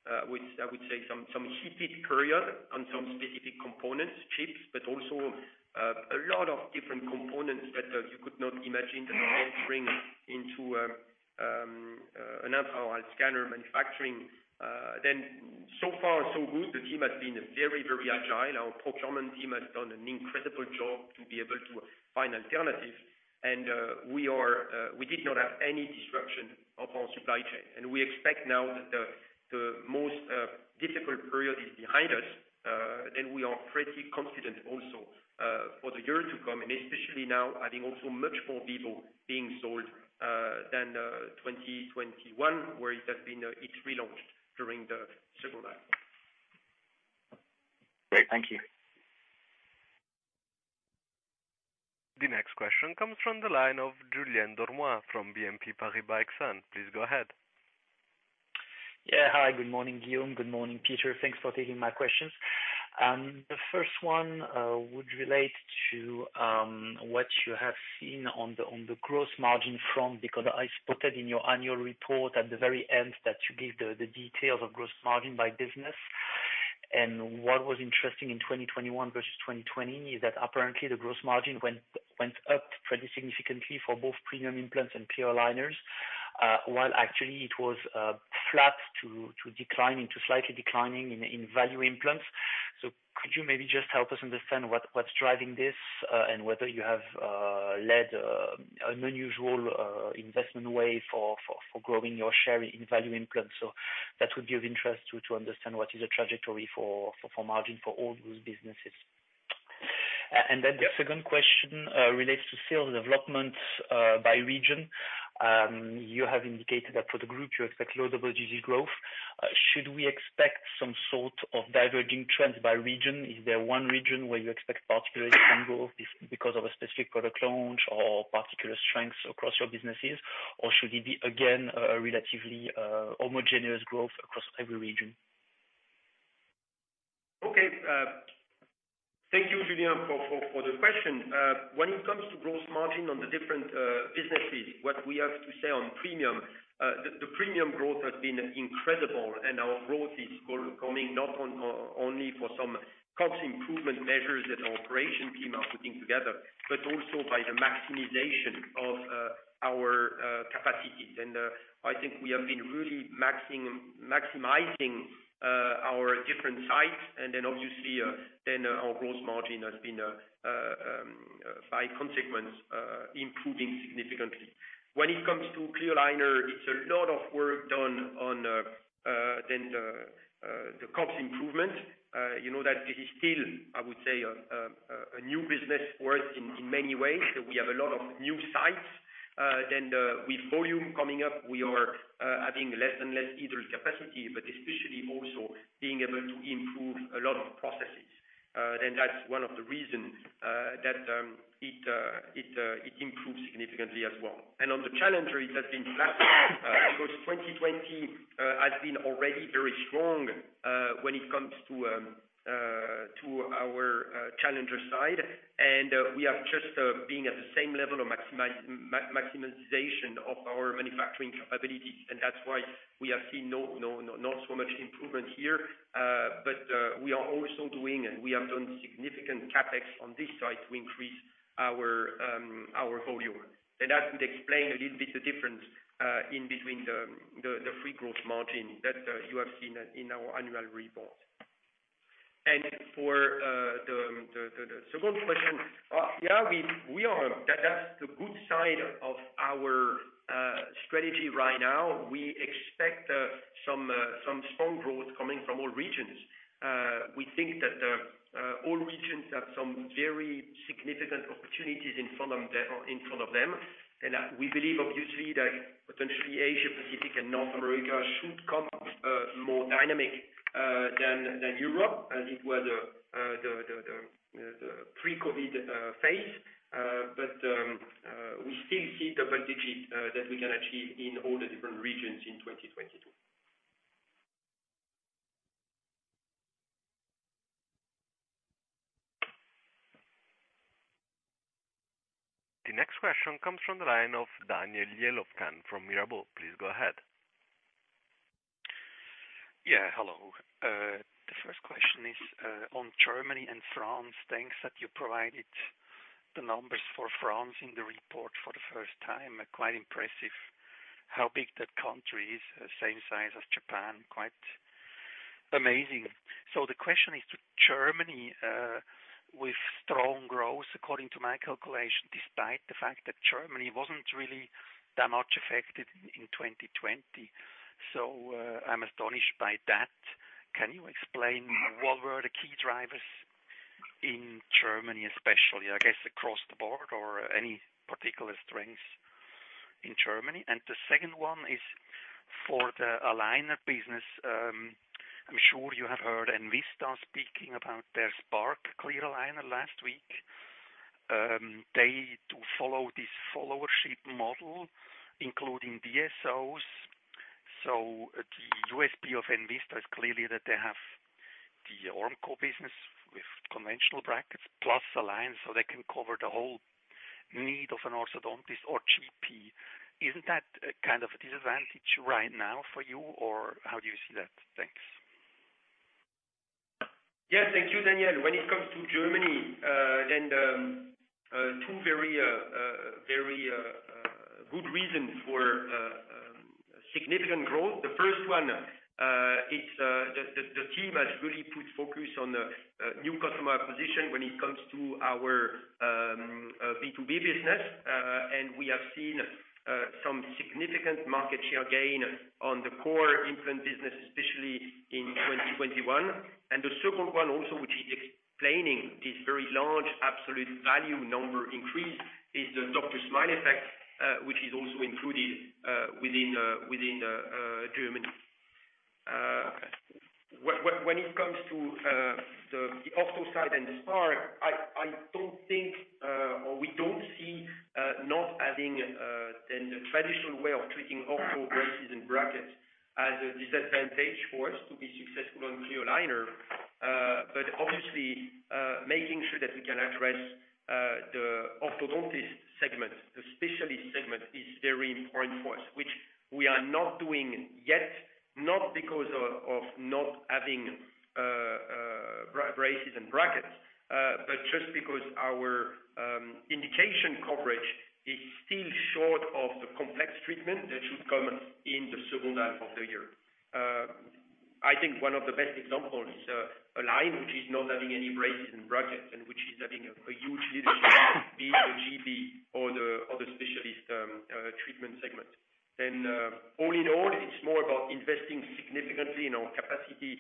there have been some which I would say some heated period on some specific components, chips, but also a lot of different components that you could not imagine that are entering into an intraoral scanner manufacturing. So far so good. The team has been very agile. Our procurement team has done an incredible job to be able to find alternatives. We did not have any disruption of our supply chain. We expect now that the most difficult period is behind us, and we are pretty confident also for the year to come, and especially now having also much more people being vaccinated than 2021, where it relaunched during the second half. Great, thank you. The next question comes from the line of Julien Dormois from BNP Paribas Exane. Please go ahead. Hi, good morning, Guillaume. Good morning, Peter. Thanks for taking my questions. The first one would relate to what you have seen on the gross margin front, because I spotted in your annual report at the very end that you gave the details of gross margin by business. What was interesting in 2021 versus 2020 is that apparently the gross margin went up pretty significantly for both premium implants and clear aligners, while actually it was flat to slightly declining in value implants. Could you maybe just help us understand what's driving this, and whether you have made an unusual investment in growing your share in value implants? That would be of interest to understand what is the trajectory for margin for all those businesses. Then the second question relates to sales development by region. You have indicated that for the group you expect low double-digit growth. Should we expect some sort of diverging trends by region? Is there one region where you expect particular angle because of a specific product launch or particular strengths across your businesses? Or should it be again a relatively homogeneous growth across every region? Okay, thank you Julien for the question. When it comes to gross margin in the different businesses, what we have to say on premium, the premium growth has been incredible and our growth is coming not only from some cost improvement measures that our operations team are putting together, but also by the maximization of our capacities. I think we have been really maximizing our different sites. Obviously, our gross margin has been by consequence improving significantly. When it comes to clear aligner, it's a lot of work done on the cost improvement. You know that this is still, I would say, a new business for us in many ways. We have a lot of new sites, then with volume coming up, we are adding less and less idle capacity, but especially also being able to improve a lot of processes. That's one of the reasons that it improves significantly as well. On the challenger, it has been flat. Of course, 2020 has been already very strong when it comes to our challenger side. We have just been at the same level of maximization of our manufacturing capability, and that's why we have seen not so much improvement here. We are also doing and we have done significant CapEx on this side to increase our volume. That would explain a little bit the difference in between the free cash flow margin that you have seen in our annual report. For the second question, yeah, that's the good side of our strategy right now. We expect some strong growth coming from all regions. We think that all regions have some very significant opportunities in front of them. We believe obviously that potentially Asia-Pacific and North America should come more dynamic than Europe, at least in the pre-COVID phase. We still see double digits that we can achieve in all the different regions in 2022. The next question comes from the line of Daniel Jelovcan from Mirabaud. Please go ahead. Yeah, hello. The first question is on Germany and France. Thanks that you provided the numbers for France in the report for the first time. Quite impressive how big that country is, same size as Japan. Quite amazing. The question is to Germany with strong growth according to my calculation, despite the fact that Germany wasn't really that much affected in 2020. I'm astonished by that. Can you explain what were the key drivers in Germany especially, I guess, across the board or any particular strengths in Germany? And the second one is for the aligner business. I'm sure you have heard Envista speaking about their Spark clear aligner last week. They do follow this followership model, including DSOs. The USP of Envista is clearly that they have the Ormco business with conventional brackets plus aligners, so they can cover the whole need of an orthodontist or GP. Isn't that a kind of a disadvantage right now for you, or how do you see that? Thanks. Yes, thank you, Daniel. When it comes to Germany, then, two very good reasons for significant growth. The first one, it's the team has really put focus on the new customer acquisition when it comes to our B2B business. We have seen some significant market share gain on the core implant business, especially in 2021. The second one also which is explaining this very large absolute value number increase is the DrSmile effect, which is also included within Germany. When it comes to the ortho side and the Spark, I don't think or we don't see not having the traditional way of treating ortho braces and brackets as a disadvantage for us to be successful on clear aligner. But obviously, making sure that we can address the orthodontist segment, the specialist segment, is very important for us, which we are not doing yet, not because of not having braces and brackets, but just because our indication coverage is still short of the complex treatment that should come in the second half of the year. I think one of the best examples is Align, which is not having any braces and brackets and which is having a huge leadership in the specialist treatment segment. All in all, it's more about investing significantly in our capacity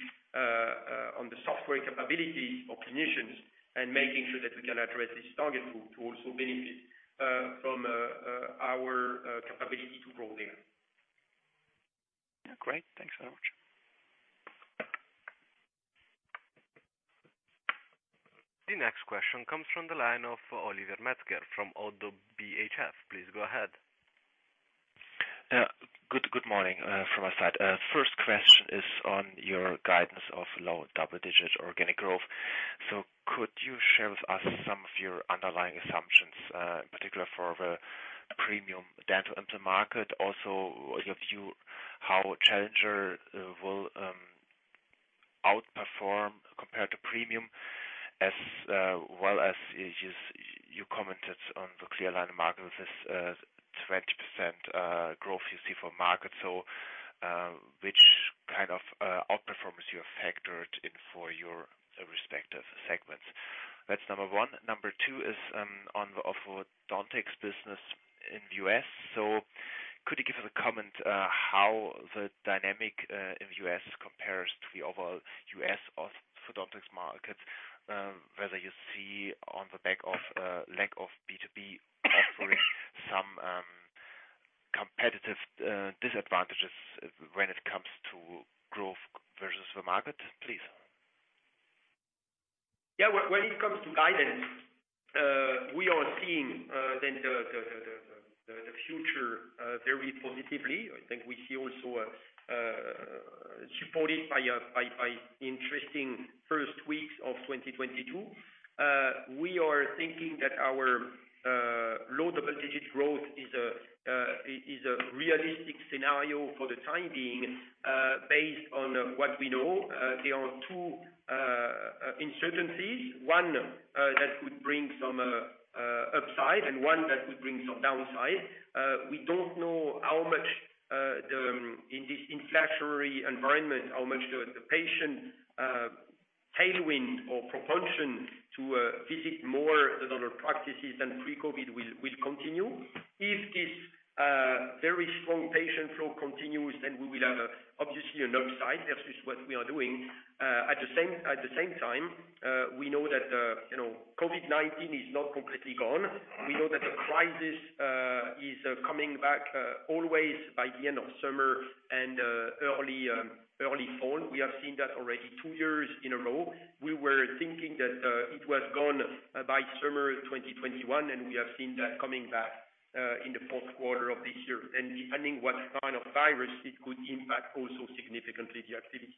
on the software capabilities of clinicians and making sure that we can address this target group to also benefit from our capability to grow there. Great. Thanks so much. The next question comes from the line of Oliver Metzger from Oddo BHF. Please go ahead. Good morning from my side. First question is on your guidance of low double-digit organic growth. Could you share with us some of your underlying assumptions, in particular for the premium dental implant market? Also your view how challenger will outperform compared to premium, as well as you commented on the clear aligner market with this 20% growth you see for market. Which kind of outperformance you have factored in for your respective segments? That's number one. Number two is on orthodontics business in the U.S. Could you give us a comment on how the dynamic in the U.S. compares to the overall U.S. orthodontics market, whether you see on the back of lack of B2B offering some competitive disadvantages when it comes to growth versus the market, please? Yeah. When it comes to guidance, we are seeing the future very positively. I think we see also supported by interesting first weeks of 2022. We are thinking that our low double-digit growth is a realistic scenario for the time being, based on what we know. There are two uncertainties. One that could bring some upside and one that could bring some downside. We don't know how much, in this inflationary environment, how much the patient tailwind or propensity to visit more the other practices than pre-COVID will continue. If this very strong patient flow continues, then we will have obviously an upside versus what we are doing. At the same time, we know that, you know, COVID-19 is not completely gone. We know that the crisis is coming back always by the end of summer and early fall. We have seen that already two years in a row. We were thinking that it was gone by summer 2021, and we have seen that coming back in the fourth quarter of this year. Depending on what kind of virus, it could impact also significantly the activity.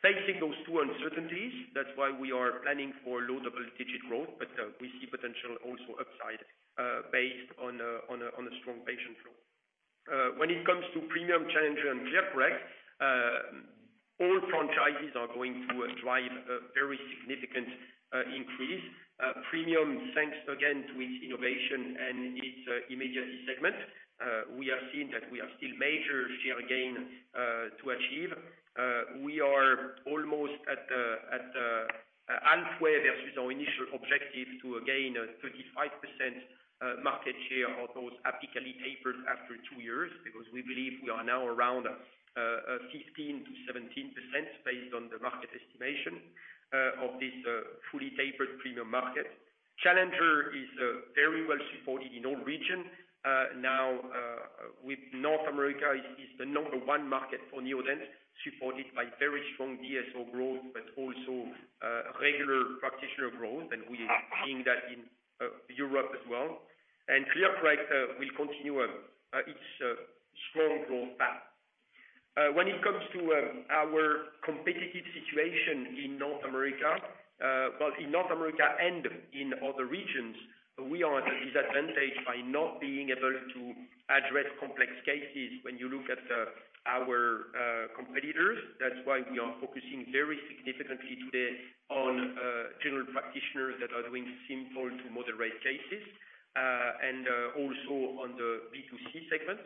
Facing those two uncertainties, that's why we are planning for low double digit growth. We see potential also upside based on a strong patient flow. When it comes to premium, challenger and ClearCorrect, all franchises are going to drive a very significant increase. Premium, thanks again to its innovation and its immediate segment. We have seen that we have still major share gain to achieve. We are almost at the halfway versus our initial objective to gain 35% market share of those apically tapered after two years, because we believe we are now around 15%-17% based on the market estimation of this fully tapered premium market. Challenger is very well supported in all regions. Now, with North America is the number one market for Neodent, supported by very strong DSO growth, but also regular practitioner growth. We are seeing that in Europe as well. ClearCorrect will continue its strong growth path. When it comes to our competitive situation in North America, well, in North America and in other regions, we are at a disadvantage by not being able to address complex cases when you look at our competitors. That's why we are focusing very significantly today on general practitioners that are doing simple to moderate cases, and also on the B2C segment.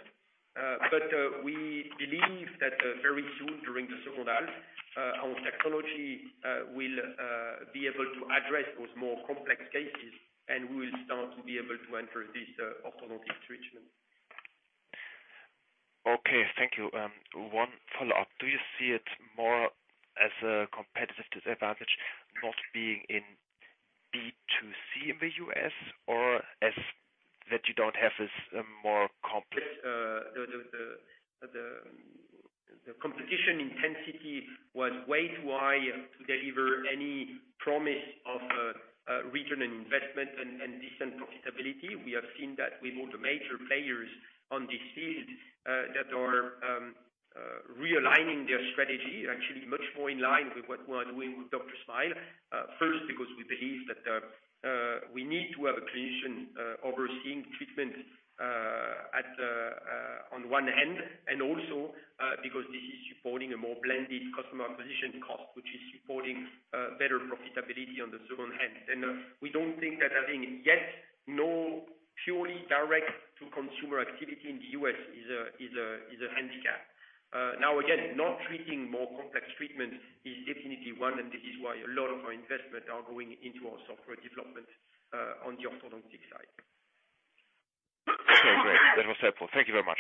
We believe that very soon during the second half, our technology will be able to address those more complex cases, and we will start to be able to enter this orthodontic treatment. Okay, thank you. One follow-up. Do you see it more as a competitive disadvantage not being in B2C in the U.S. or as that you don't have as, more complex- The competition intensity was way too high to deliver any promise of return on investment and decent profitability. We have seen that with all the major players in this field that are realigning their strategy actually much more in line with what we are doing with DrSmile. First, because we believe that we need to have a clinician overseeing treatment on one hand, and also, because this is supporting a more blended customer acquisition cost, which is supporting better profitability on the second hand. We don't think that having yet no purely direct-to-consumer activity in the U.S. is a handicap. Now again, not treating more complex treatments is definitely one, and this is why a lot of our investment are going into our software development on the orthodontic side. Okay, that was helpful. Thank you very much.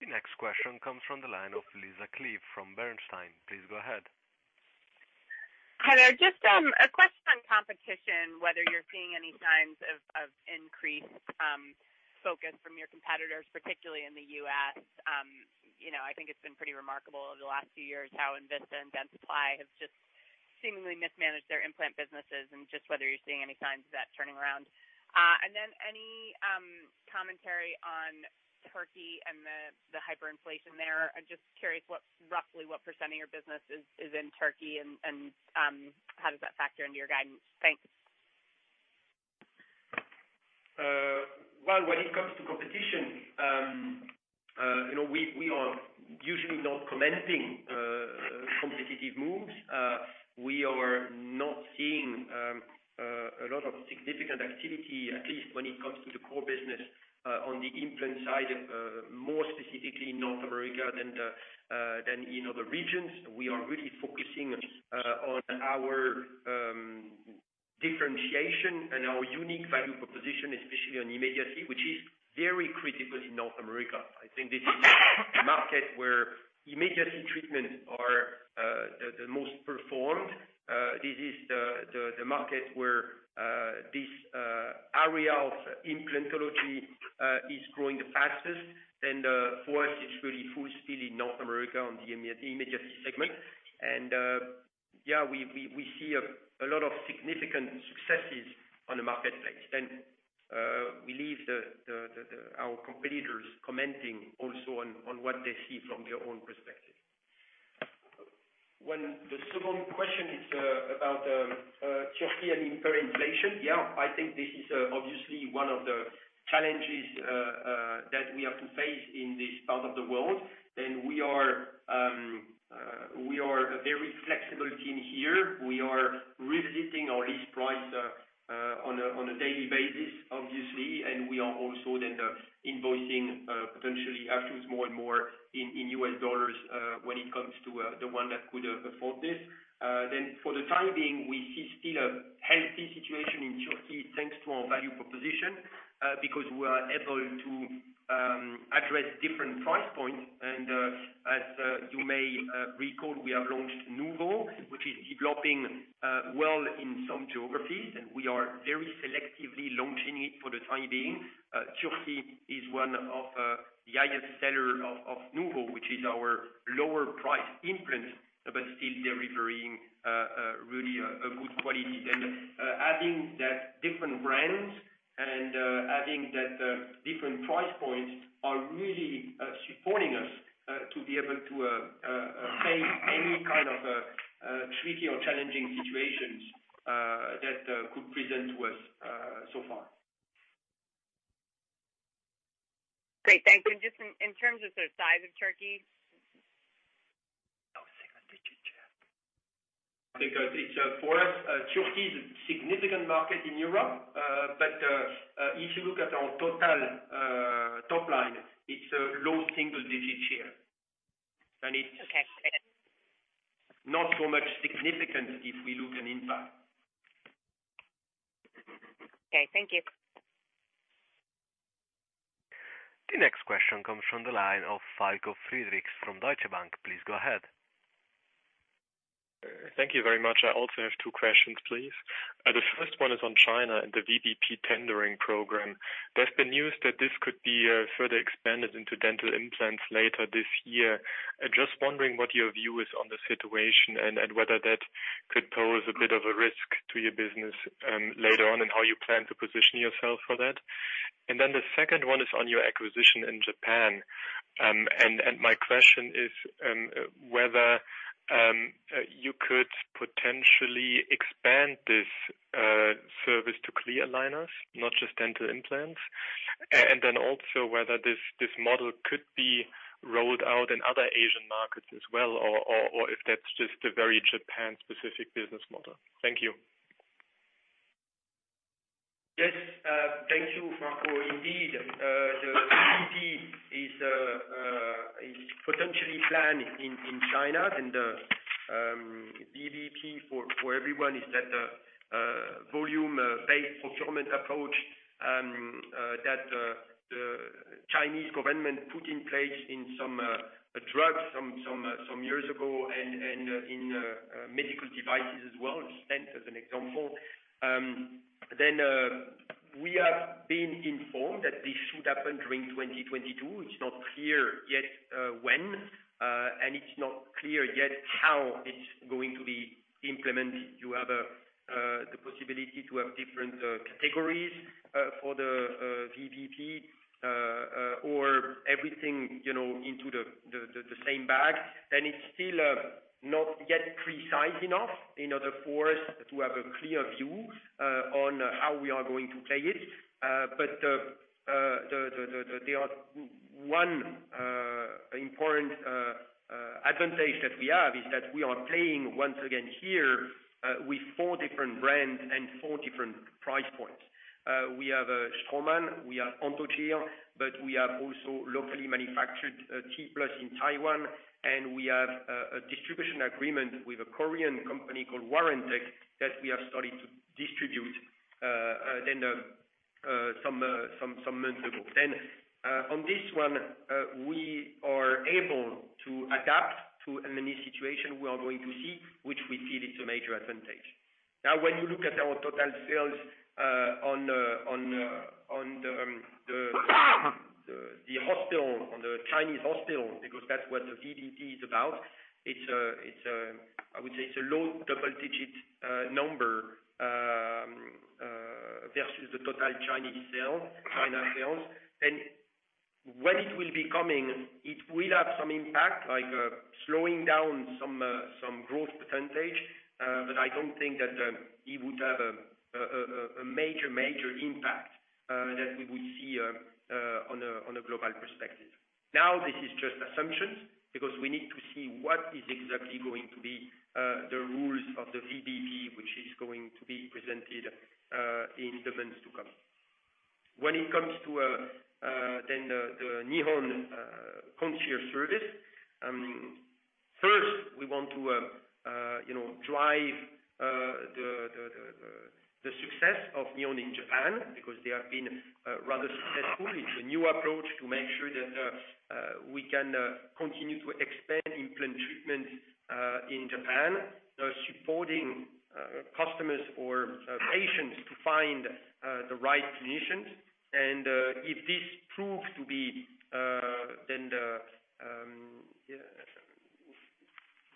The next question comes from the line of Lisa Clive from Bernstein. Please go ahead. Hi there. Just a question on competition, whether you're seeing any signs of increased focus from your competitors, particularly in the U.S. You know, I think it's been pretty remarkable over the last few years, how Envista and Dentsply have just seemingly mismanaged their implant businesses and just whether you're seeing any signs of that turning around. Any commentary on Türkiye and the hyperinflation there. I'm just curious roughly what % of your business is in Türkiye and how does that factor into your guidance? Thanks. Well, when it comes to competition, you know, we are usually not commenting competitive moves. We are not seeing a lot of significant activity, at least when it comes to the core business, on the implant side, more specifically in North America than in other regions. We are really focusing on our differentiation and our unique value proposition, especially on immediate, which is very critical in North America. I think this is a market where immediate treatments are the most performed. This is the market where this area of implantology is growing the fastest. For us, it's really full speed in North America on the immediate segment. Yeah, we see a lot of significant successes on the marketplace. We leave our competitors commenting also on what they see from their own perspective. When the second question is about Türkiye and hyperinflation, yeah, I think this is obviously one of the challenges that we have to face in this part of the world. We are a very flexible team here. We are revisiting our list price on a daily basis, obviously. We are also invoicing potentially afterwards more and more in U.S. dollars when it comes to the ones that could afford this. For the time being, we still see a healthy situation in Türkiye, thanks to our value proposition because we are able to address different price points. As you may recall, we have launched NUVO, which is developing well in some geographies, and we are very selectively launching it for the time being. Türkiye is one of the highest seller of NUVO, which is our lower price implant, but still delivering really a good quality. Adding that different brands and different price points are really supporting us to be able to face any kind of tricky or challenging situations that could present with so far. Great, thank you. Just in terms of the size of Türkiye? Because it's for us, Türkiye is a significant market in Europe. If you look at our total top line, it's a low single digit share. Not so much a significant impact if we look at an impact. Okay, thank you. The next question comes from the line of Falko Friedrichs from Deutsche Bank. Please go ahead. Thank you very much. I also have two questions, please. The first one is on China and the VBP tendering program. There's been news that this could be further expanded into dental implants later this year. Just wondering what your view is on the situation and whether that could pose a bit of a risk to your business later on and how you plan to position yourself for that. Then the second one is on your acquisition in Japan. And my question is whether you could potentially expand this service to clear aligners, not just dental implants. And then also whether this model could be rolled out in other Asian markets as well or if that's just a very Japan specific business model. Thank you. Yes. Thank you, Falko. Indeed, the VBP is potentially planned in China and VBP for everyone is that Volume-Based Procurement approach that the Chinese government put in place in some drugs some years ago and in medical devices as well, stents as an example. We have been informed that this should happen during 2022. It's not clear yet when, and it's not clear yet how it's going to be implemented. You have the possibility to have different categories for the VBP or everything, you know, into the same bag. It's still not yet precise enough in order for us to have a clear view on how we are going to play it. There is one important advantage that we have is that we are playing once again here with four different brands and four different price points. We have a Straumann, we have Anthogyr, but we have also locally manufactured T-PLUS in Taiwan, and we have a distribution agreement with a Korean company called Warantec that we have started to distribute them some months ago. On this one, we are able to adapt to any situation we are going to see, which we feel is a major advantage. Now, when you look at our total sales on the Chinese hospital, because that's what the VBP is about. It's a low double-digit number versus the total Chinese sales. When it will be coming, it will have some impact, like slowing down some growth percentage, but I don't think that it would have a major impact that we would see on a global perspective. Now, this is just assumptions, because we need to see what is exactly going to be the rules of the VBP, which is going to be presented in the months to come. When it comes to the Nihon concierge service, first we want to you know drive the success of Nihon in Japan because they have been rather successful. It's a new approach to make sure that we can continue to expand implant treatment in Japan, supporting customers or patients to find the right clinicians. If this proves to be, then to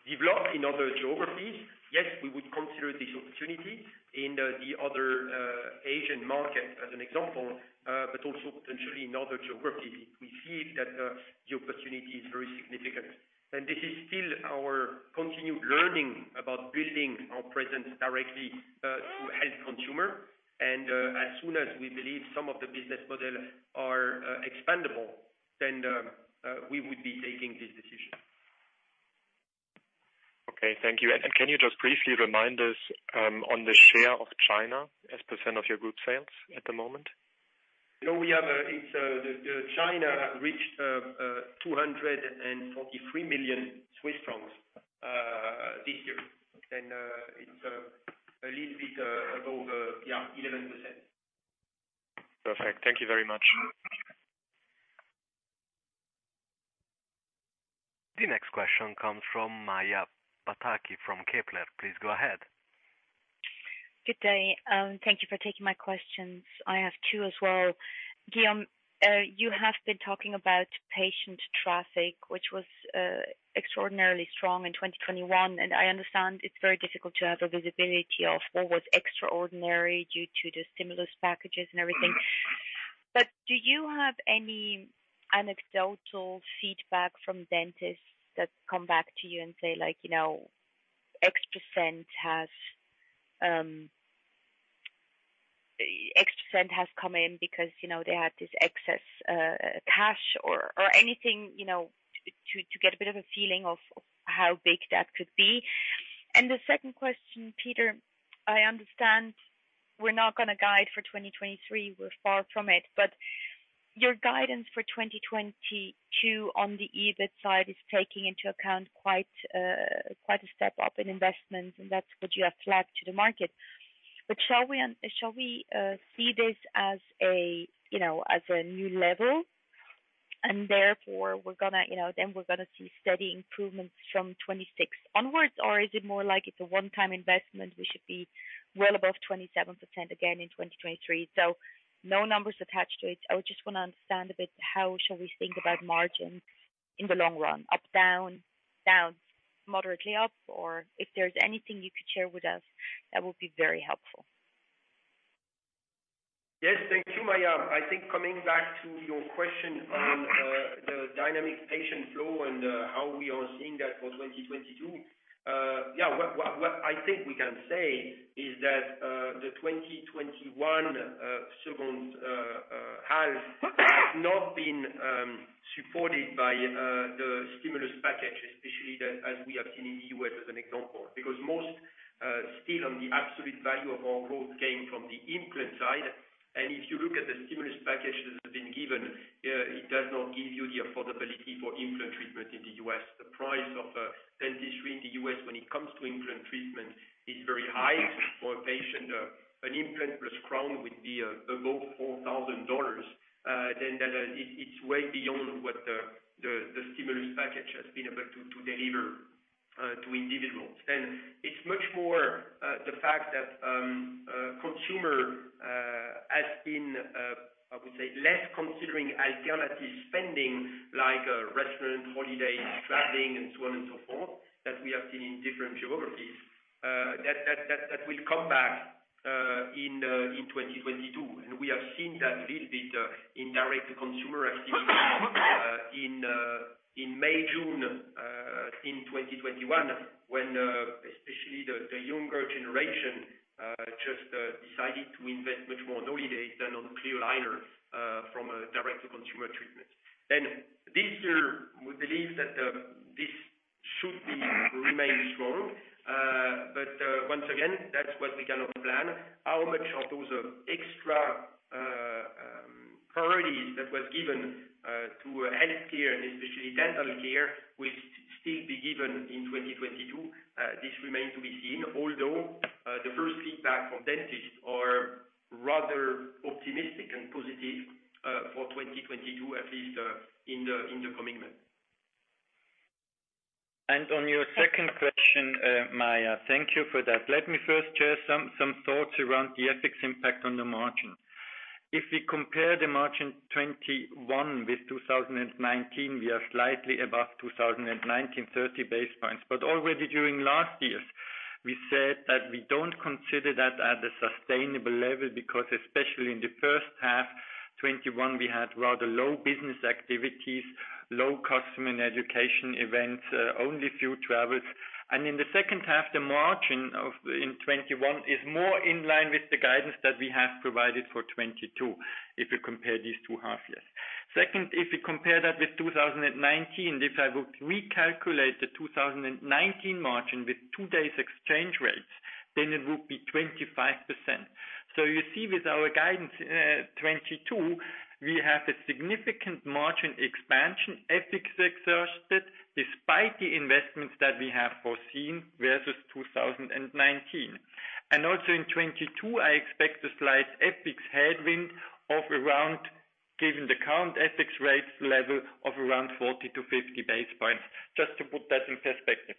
develop in other geographies, yes we would consider this opportunity in the other Asian market as an example, but also potentially in other geographies. We feel that the opportunity is very significant. This is still our continued learning about building our presence directly to help consumer. As soon as we believe some of the business model are expandable, then we would be taking this decision. Okay, thank you. Can you just briefly remind us on the share of China as a percent of your group sales at the moment? You know, we have, it's China reached 243 million Swiss francs this year. It's a little bit above, yeah, 11%. Perfect. Thank you very much. The next question comes from Maja Pataki from Kepler. Please go ahead. Good day. Thank you for taking my questions. I have two as well. Guillaume, you have been talking about patient traffic, which was extraordinarily strong in 2021, and I understand it's very difficult to have a visibility of what was extraordinary due to the stimulus packages and everything. But do you have any anecdotal feedback from dentists that come back to you and say, like, you know, extra cash has come in because, you know, they had this excess cash or anything, you know, to get a bit of a feeling of how big that could be. The second question, Peter, I understand we're not gonna guide for 2023, we're far from it, but your guidance for 2022 on the EBIT side is taking into account quite a step up in investments, and that's what you have flagged to the market. Shall we see this as a, you know, as a new level, and therefore we're gonna, you know, then we're gonna see steady improvements from 2026 onwards? Is it more like it's a one-time investment, we should be well above 27% again in 2023? No numbers attached to it. I would just wanna understand a bit how shall we think about margins in the long run, up, down, moderately up, or if there's anything you could share with us that would be very helpful. Yes, thank you, Maja. I think coming back to your question on the dynamic patient flow and how we are seeing that for 2022, what I think we can say is that the 2021 second half has not been supported by the stimulus package, especially as we have seen in the U.S. as an example. Because most of the absolute value of our growth came from the implant side. If you look at the stimulus packages that have been given, it does not give you the affordability for implant treatment in the U.S. The price of dentistry in the U.S. when it comes to implant treatment is very high for a patient. An implant plus crown would be above $4,000. It's way beyond what the stimulus package has been able to deliver to individuals. It's much more the fact that consumer has been, I would say, less considering alternative spending like restaurant, holidays, traveling, and so on and so forth, that we have seen in different geographies, that will come back in 2022. We have seen that little bit in direct consumer activity. In May, June in 2021, when especially the younger generation just decided to invest much more on holidays than on clear aligner from a direct to consumer treatment. This year, we believe that this should remain strong. Once again, that's what we cannot plan. How much of those extra priorities that was given to healthcare and especially dental care will still be given in 2022, this remains to be seen. Although the first feedback from dentists are rather optimistic and positive for 2022, at least in the coming months. On your second question, Maja, thank you for that. Let me first share some thoughts around the FX impact on the margin. If we compare the margin 2021 with 2019, we are slightly above 2019, 30 basis points. Already during last years, we said that we don't consider that at a sustainable level, because especially in the first half 2021, we had rather low business activities, low customer and education events, only few travels. In the second half, the margin in 2021 is more in line with the guidance that we have provided for 2022, if you compare these two half years. Second, if you compare that with 2019, if I would recalculate the 2019 margin with today's exchange rates, then it would be 25%. You see with our guidance, 2022, we have a significant margin expansion, FX adjusted, despite the investments that we have foreseen versus 2019. Also in 2022, I expect a slight FX headwind of around, given the current FX rates level, of around 40-50 basis points, just to put that in perspective.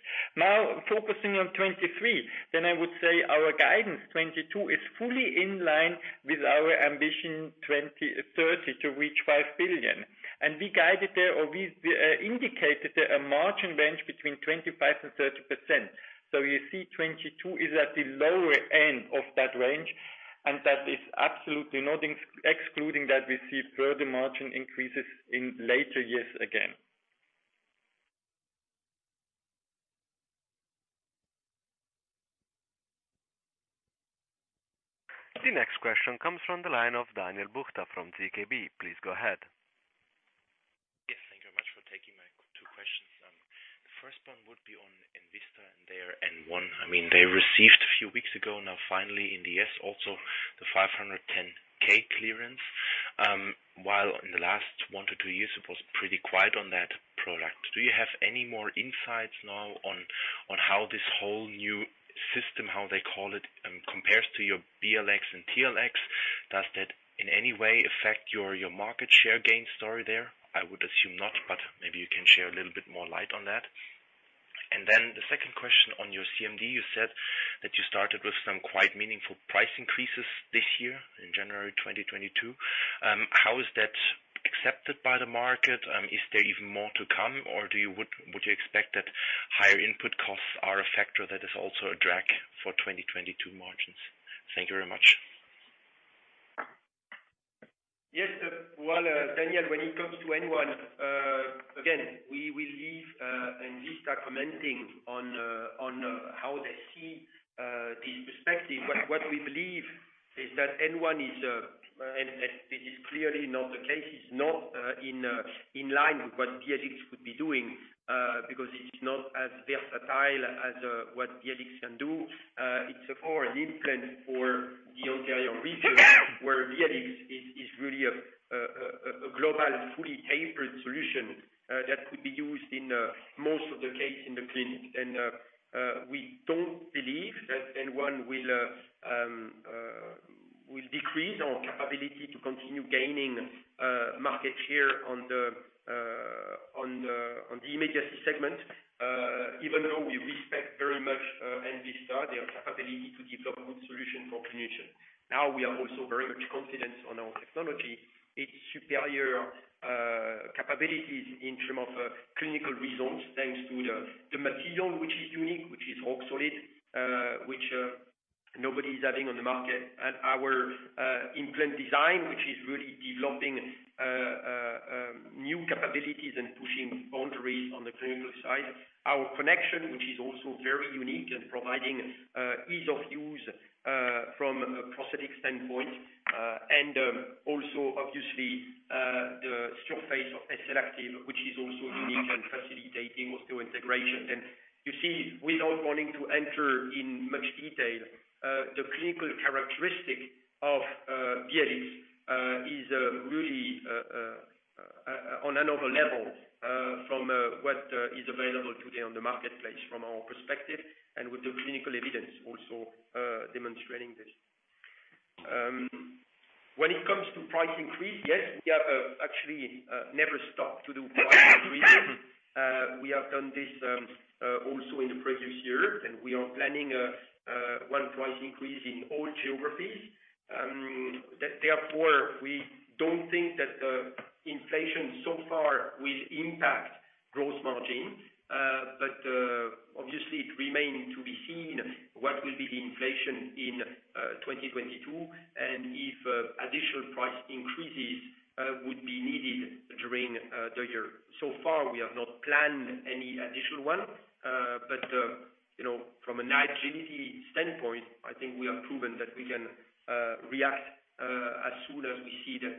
Focusing on 2023, I would say our guidance 2022 is fully in line with our ambition 2030 to reach 5 billion. We guided there, or we indicated a margin range between 25%-30%. You see, 2022 is at the lower end of that range, and that is absolutely not excluding that we see further margin increases in later years again. The next question comes from the line of Daniel Buchta from ZKB. Please go ahead. Yes, thank you very much for taking my two questions. The first one would be on Envista and their N1. I mean, they received a few weeks ago, now finally in the U.S. also, the 510(k) clearance. While in the last 1-2 years it was pretty quiet on that product. Do you have any more insights now on how this whole new system, what they call it, compares to your BLX and TLX? Does that in any way affect your market share gain story there? I would assume not, but maybe you can shed a little bit more light on that. Then the second question on your CMD, you said that you started with some quite meaningful price increases this year in January 2022. How is that accepted by the market? Is there even more to come, or would you expect that higher input costs are a factor that is also a drag for 2022 margins? Thank you very much. Yes. Well, Daniel, when it comes to N1, again, we will leave Envista commenting on how they see this perspective. But what we believe is that N1 is, and this is clearly not the case, is not in line with what BLX could be doing, because it is not as versatile as what BLX can do. It's for an implant for the anterior region, where BLX is really a global fully tapered solution that could be used in most cases in the clinic. We don't believe that N1 will decrease our capability to continue gaining market share on the immediacy segment. Even though we respect very much, Envista, their capability to develop good solution for clinician. Now we are also very much confident on our technology, its superior capabilities in terms of clinical results, thanks to the material which is unique, which is Roxolid, which nobody's having on the market. Our implant design, which is really developing new capabilities and pushing boundaries on the clinical side. Our connection, which is also very unique and providing ease of use from a prosthetic standpoint, and also obviously the surface of SLActive, which is also unique in facilitating osseointegration. You see, without wanting to enter in much detail, the clinical characteristic of BLX is really on another level from what is available today on the marketplace from our perspective and with the clinical evidence also demonstrating this. When it comes to price increase, yes, we have actually never stopped to do price increase. We have done this also in the previous year, and we are planning one price increase in all geographies. Therefore, we don't think that inflation so far will impact gross margin, but obviously it remains what will be the inflation in 2022, and if additional price increases would be needed during the year. So far we have not planned any additional one. You know, from an agility standpoint, I think we have proven that we can react as soon as we see that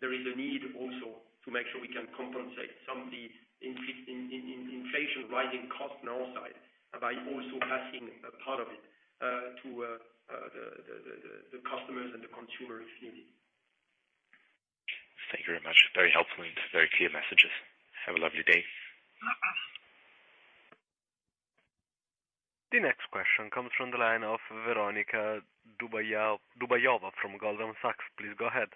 there is a need also to make sure we can compensate some of the increasing inflation and rising costs on our side by also passing a part of it to the customers and the consumers if needed. Thank you very much. Very helpful and very clear messages. Have a lovely day. The next question comes from the line of Veronika Dubajova from Goldman Sachs. Please go ahead.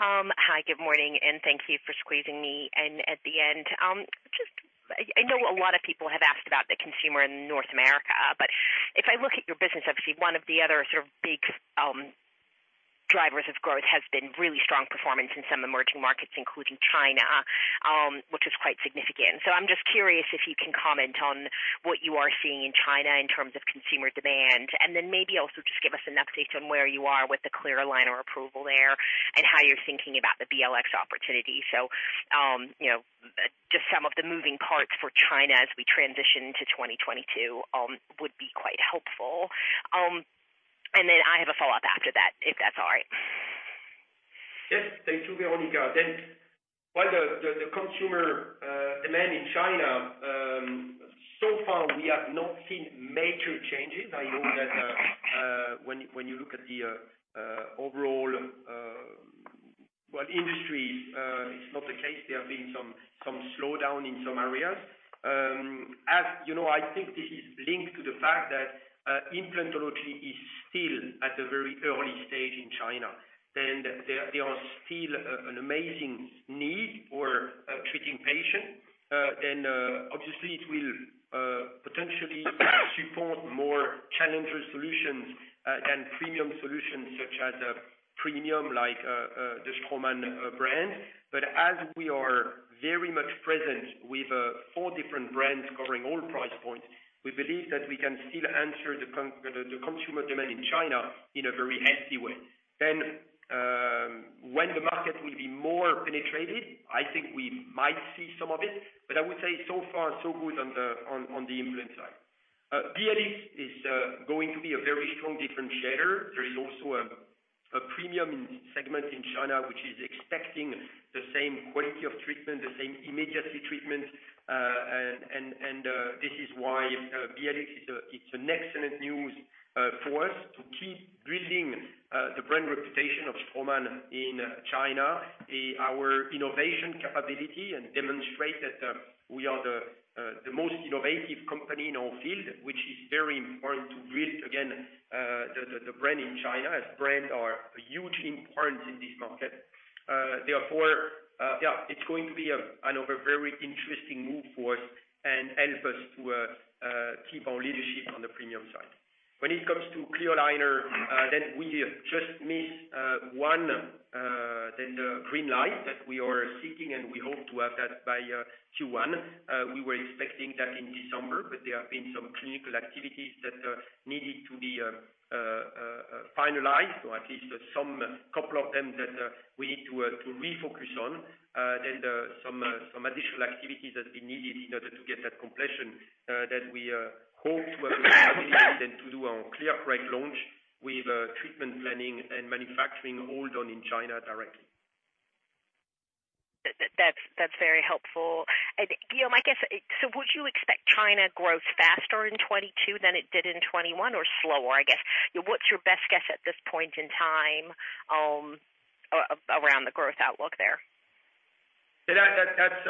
Hi, good morning, and thank you for squeezing me in at the end. I know a lot of people have asked about the consumer in North America, but if I look at your business, obviously one of the other sort of big drivers of growth has been really strong performance in some emerging markets, including China, which is quite significant. I'm just curious if you can comment on what you are seeing in China in terms of consumer demand, and then maybe also just give us an update on where you are with the clear aligner approval there and how you're thinking about the BLX opportunity. You know, just some of the moving parts for China as we transition to 2022 would be quite helpful. And then I have a follow-up after that, if that's all right. Yes. Thank you, Veronika. While the consumer demand in China, so far we have not seen major changes. I know that, when you look at the overall, well, industry, it's not the case. There have been some slowdown in some areas. As you know, I think this is linked to the fact that implantology is still at a very early stage in China, and there are still an amazing need for treating patients. Obviously it will potentially support more challenging solutions and premium solutions such as a premium like the Straumann brand. As we are very much present with four different brands covering all price points, we believe that we can still answer the consumer demand in China in a very healthy way. When the market will be more penetrated, I think we might see some of it, but I would say so far so good on the implant side. BLX is going to be a very strong differentiator. There is also a premium segment in China which is expecting the same quality of treatment, the same immediacy treatment. This is why BLX is excellent news for us to keep building the brand reputation of Straumann in China, our innovation capability and demonstrate that we are the most innovative company in our field, which is very important to build again the brand in China as brands are hugely important in this market. Therefore, yeah, it's going to be another very interesting move for us and help us to keep our leadership on the premium side. When it comes to clear aligner, then we just miss one, the green light that we are seeking, and we hope to have that by Q1. We were expecting that in December, but there have been some clinical activities that needed to be finalized or at least some couple of them that we need to refocus on. Some additional activities that we needed in order to get that completion that we hope to have the ability then to do our ClearCorrect launch with treatment planning and manufacturing all done in China directly. That's very helpful. Guillaume, I guess, so would you expect China growth faster in 2022 than it did in 2021 or slower? I guess, what's your best guess at this point in time, around the growth outlook there? Yeah, that's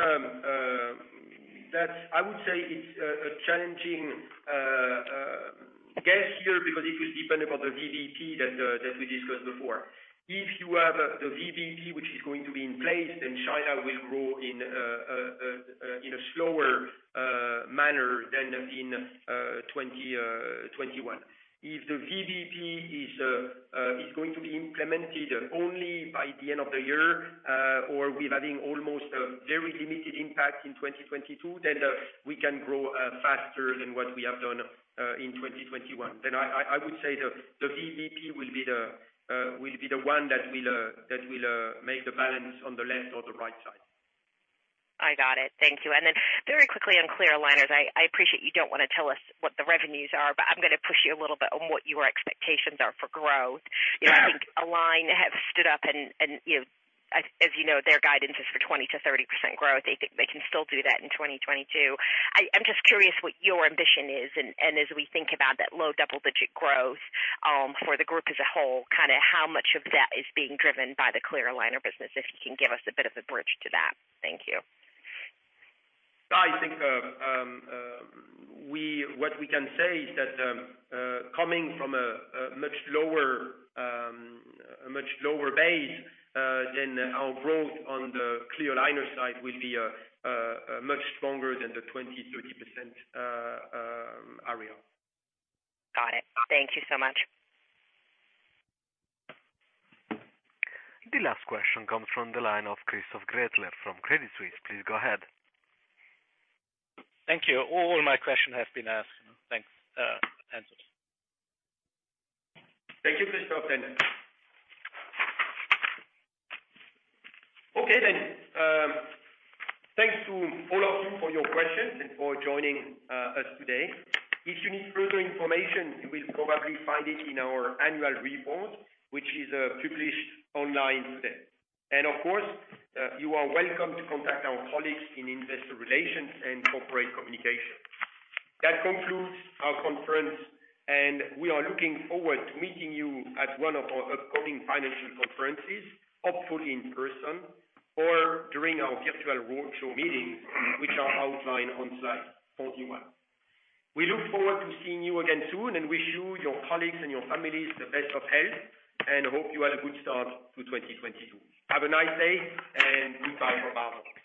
a challenging guess here because it will depend upon the VBP that we discussed before. If you have the VBP which is going to be in place, then China will grow in a slower manner than in 2021. If the VBP is going to be implemented only by the end of the year, or we're having almost a very limited impact in 2022, then we can grow faster than what we have done in 2021. I would say the VBP will be the one that will make the balance on the left or the right side. I got it. Thank you. Very quickly on clear aligners. I appreciate you don't wanna tell us what the revenues are, but I'm gonna push you a little bit on what your expectations are for growth. You know, I think Align have stood up and you know, as you know, their guidance is for 20%-30% growth. They think they can still do that in 2022. I'm just curious what your ambition is and as we think about that low double-digit growth for the group as a whole, kinda how much of that is being driven by the clear aligner business, if you can give us a bit of a bridge to that. Thank you. I think what we can say is that coming from a much lower base than our growth on the clear aligner side will be much stronger than the 20%-30% area. Got it. Thank you so much. The last question comes from the line of Christoph Gretler from Credit Suisse. Please go ahead. Thank you. All my questions have been answered, and thanks for the answers. Thank you, Christoph, then. Okay then, thanks to all of you for your questions and for joining us today. If you need further information, you will probably find it in our annual report, which is published online today. Of course, you are welcome to contact our colleagues in investor relations and corporate communication. That concludes our conference, and we are looking forward to meeting you at one of our upcoming financial conferences, hopefully in person or during our virtual roadshow meetings, which are outlined on slide 41. We look forward to seeing you again soon and wish you, your colleagues and your families the best of health and hope you had a good start to 2022. Have a nice day and goodbye from Basel.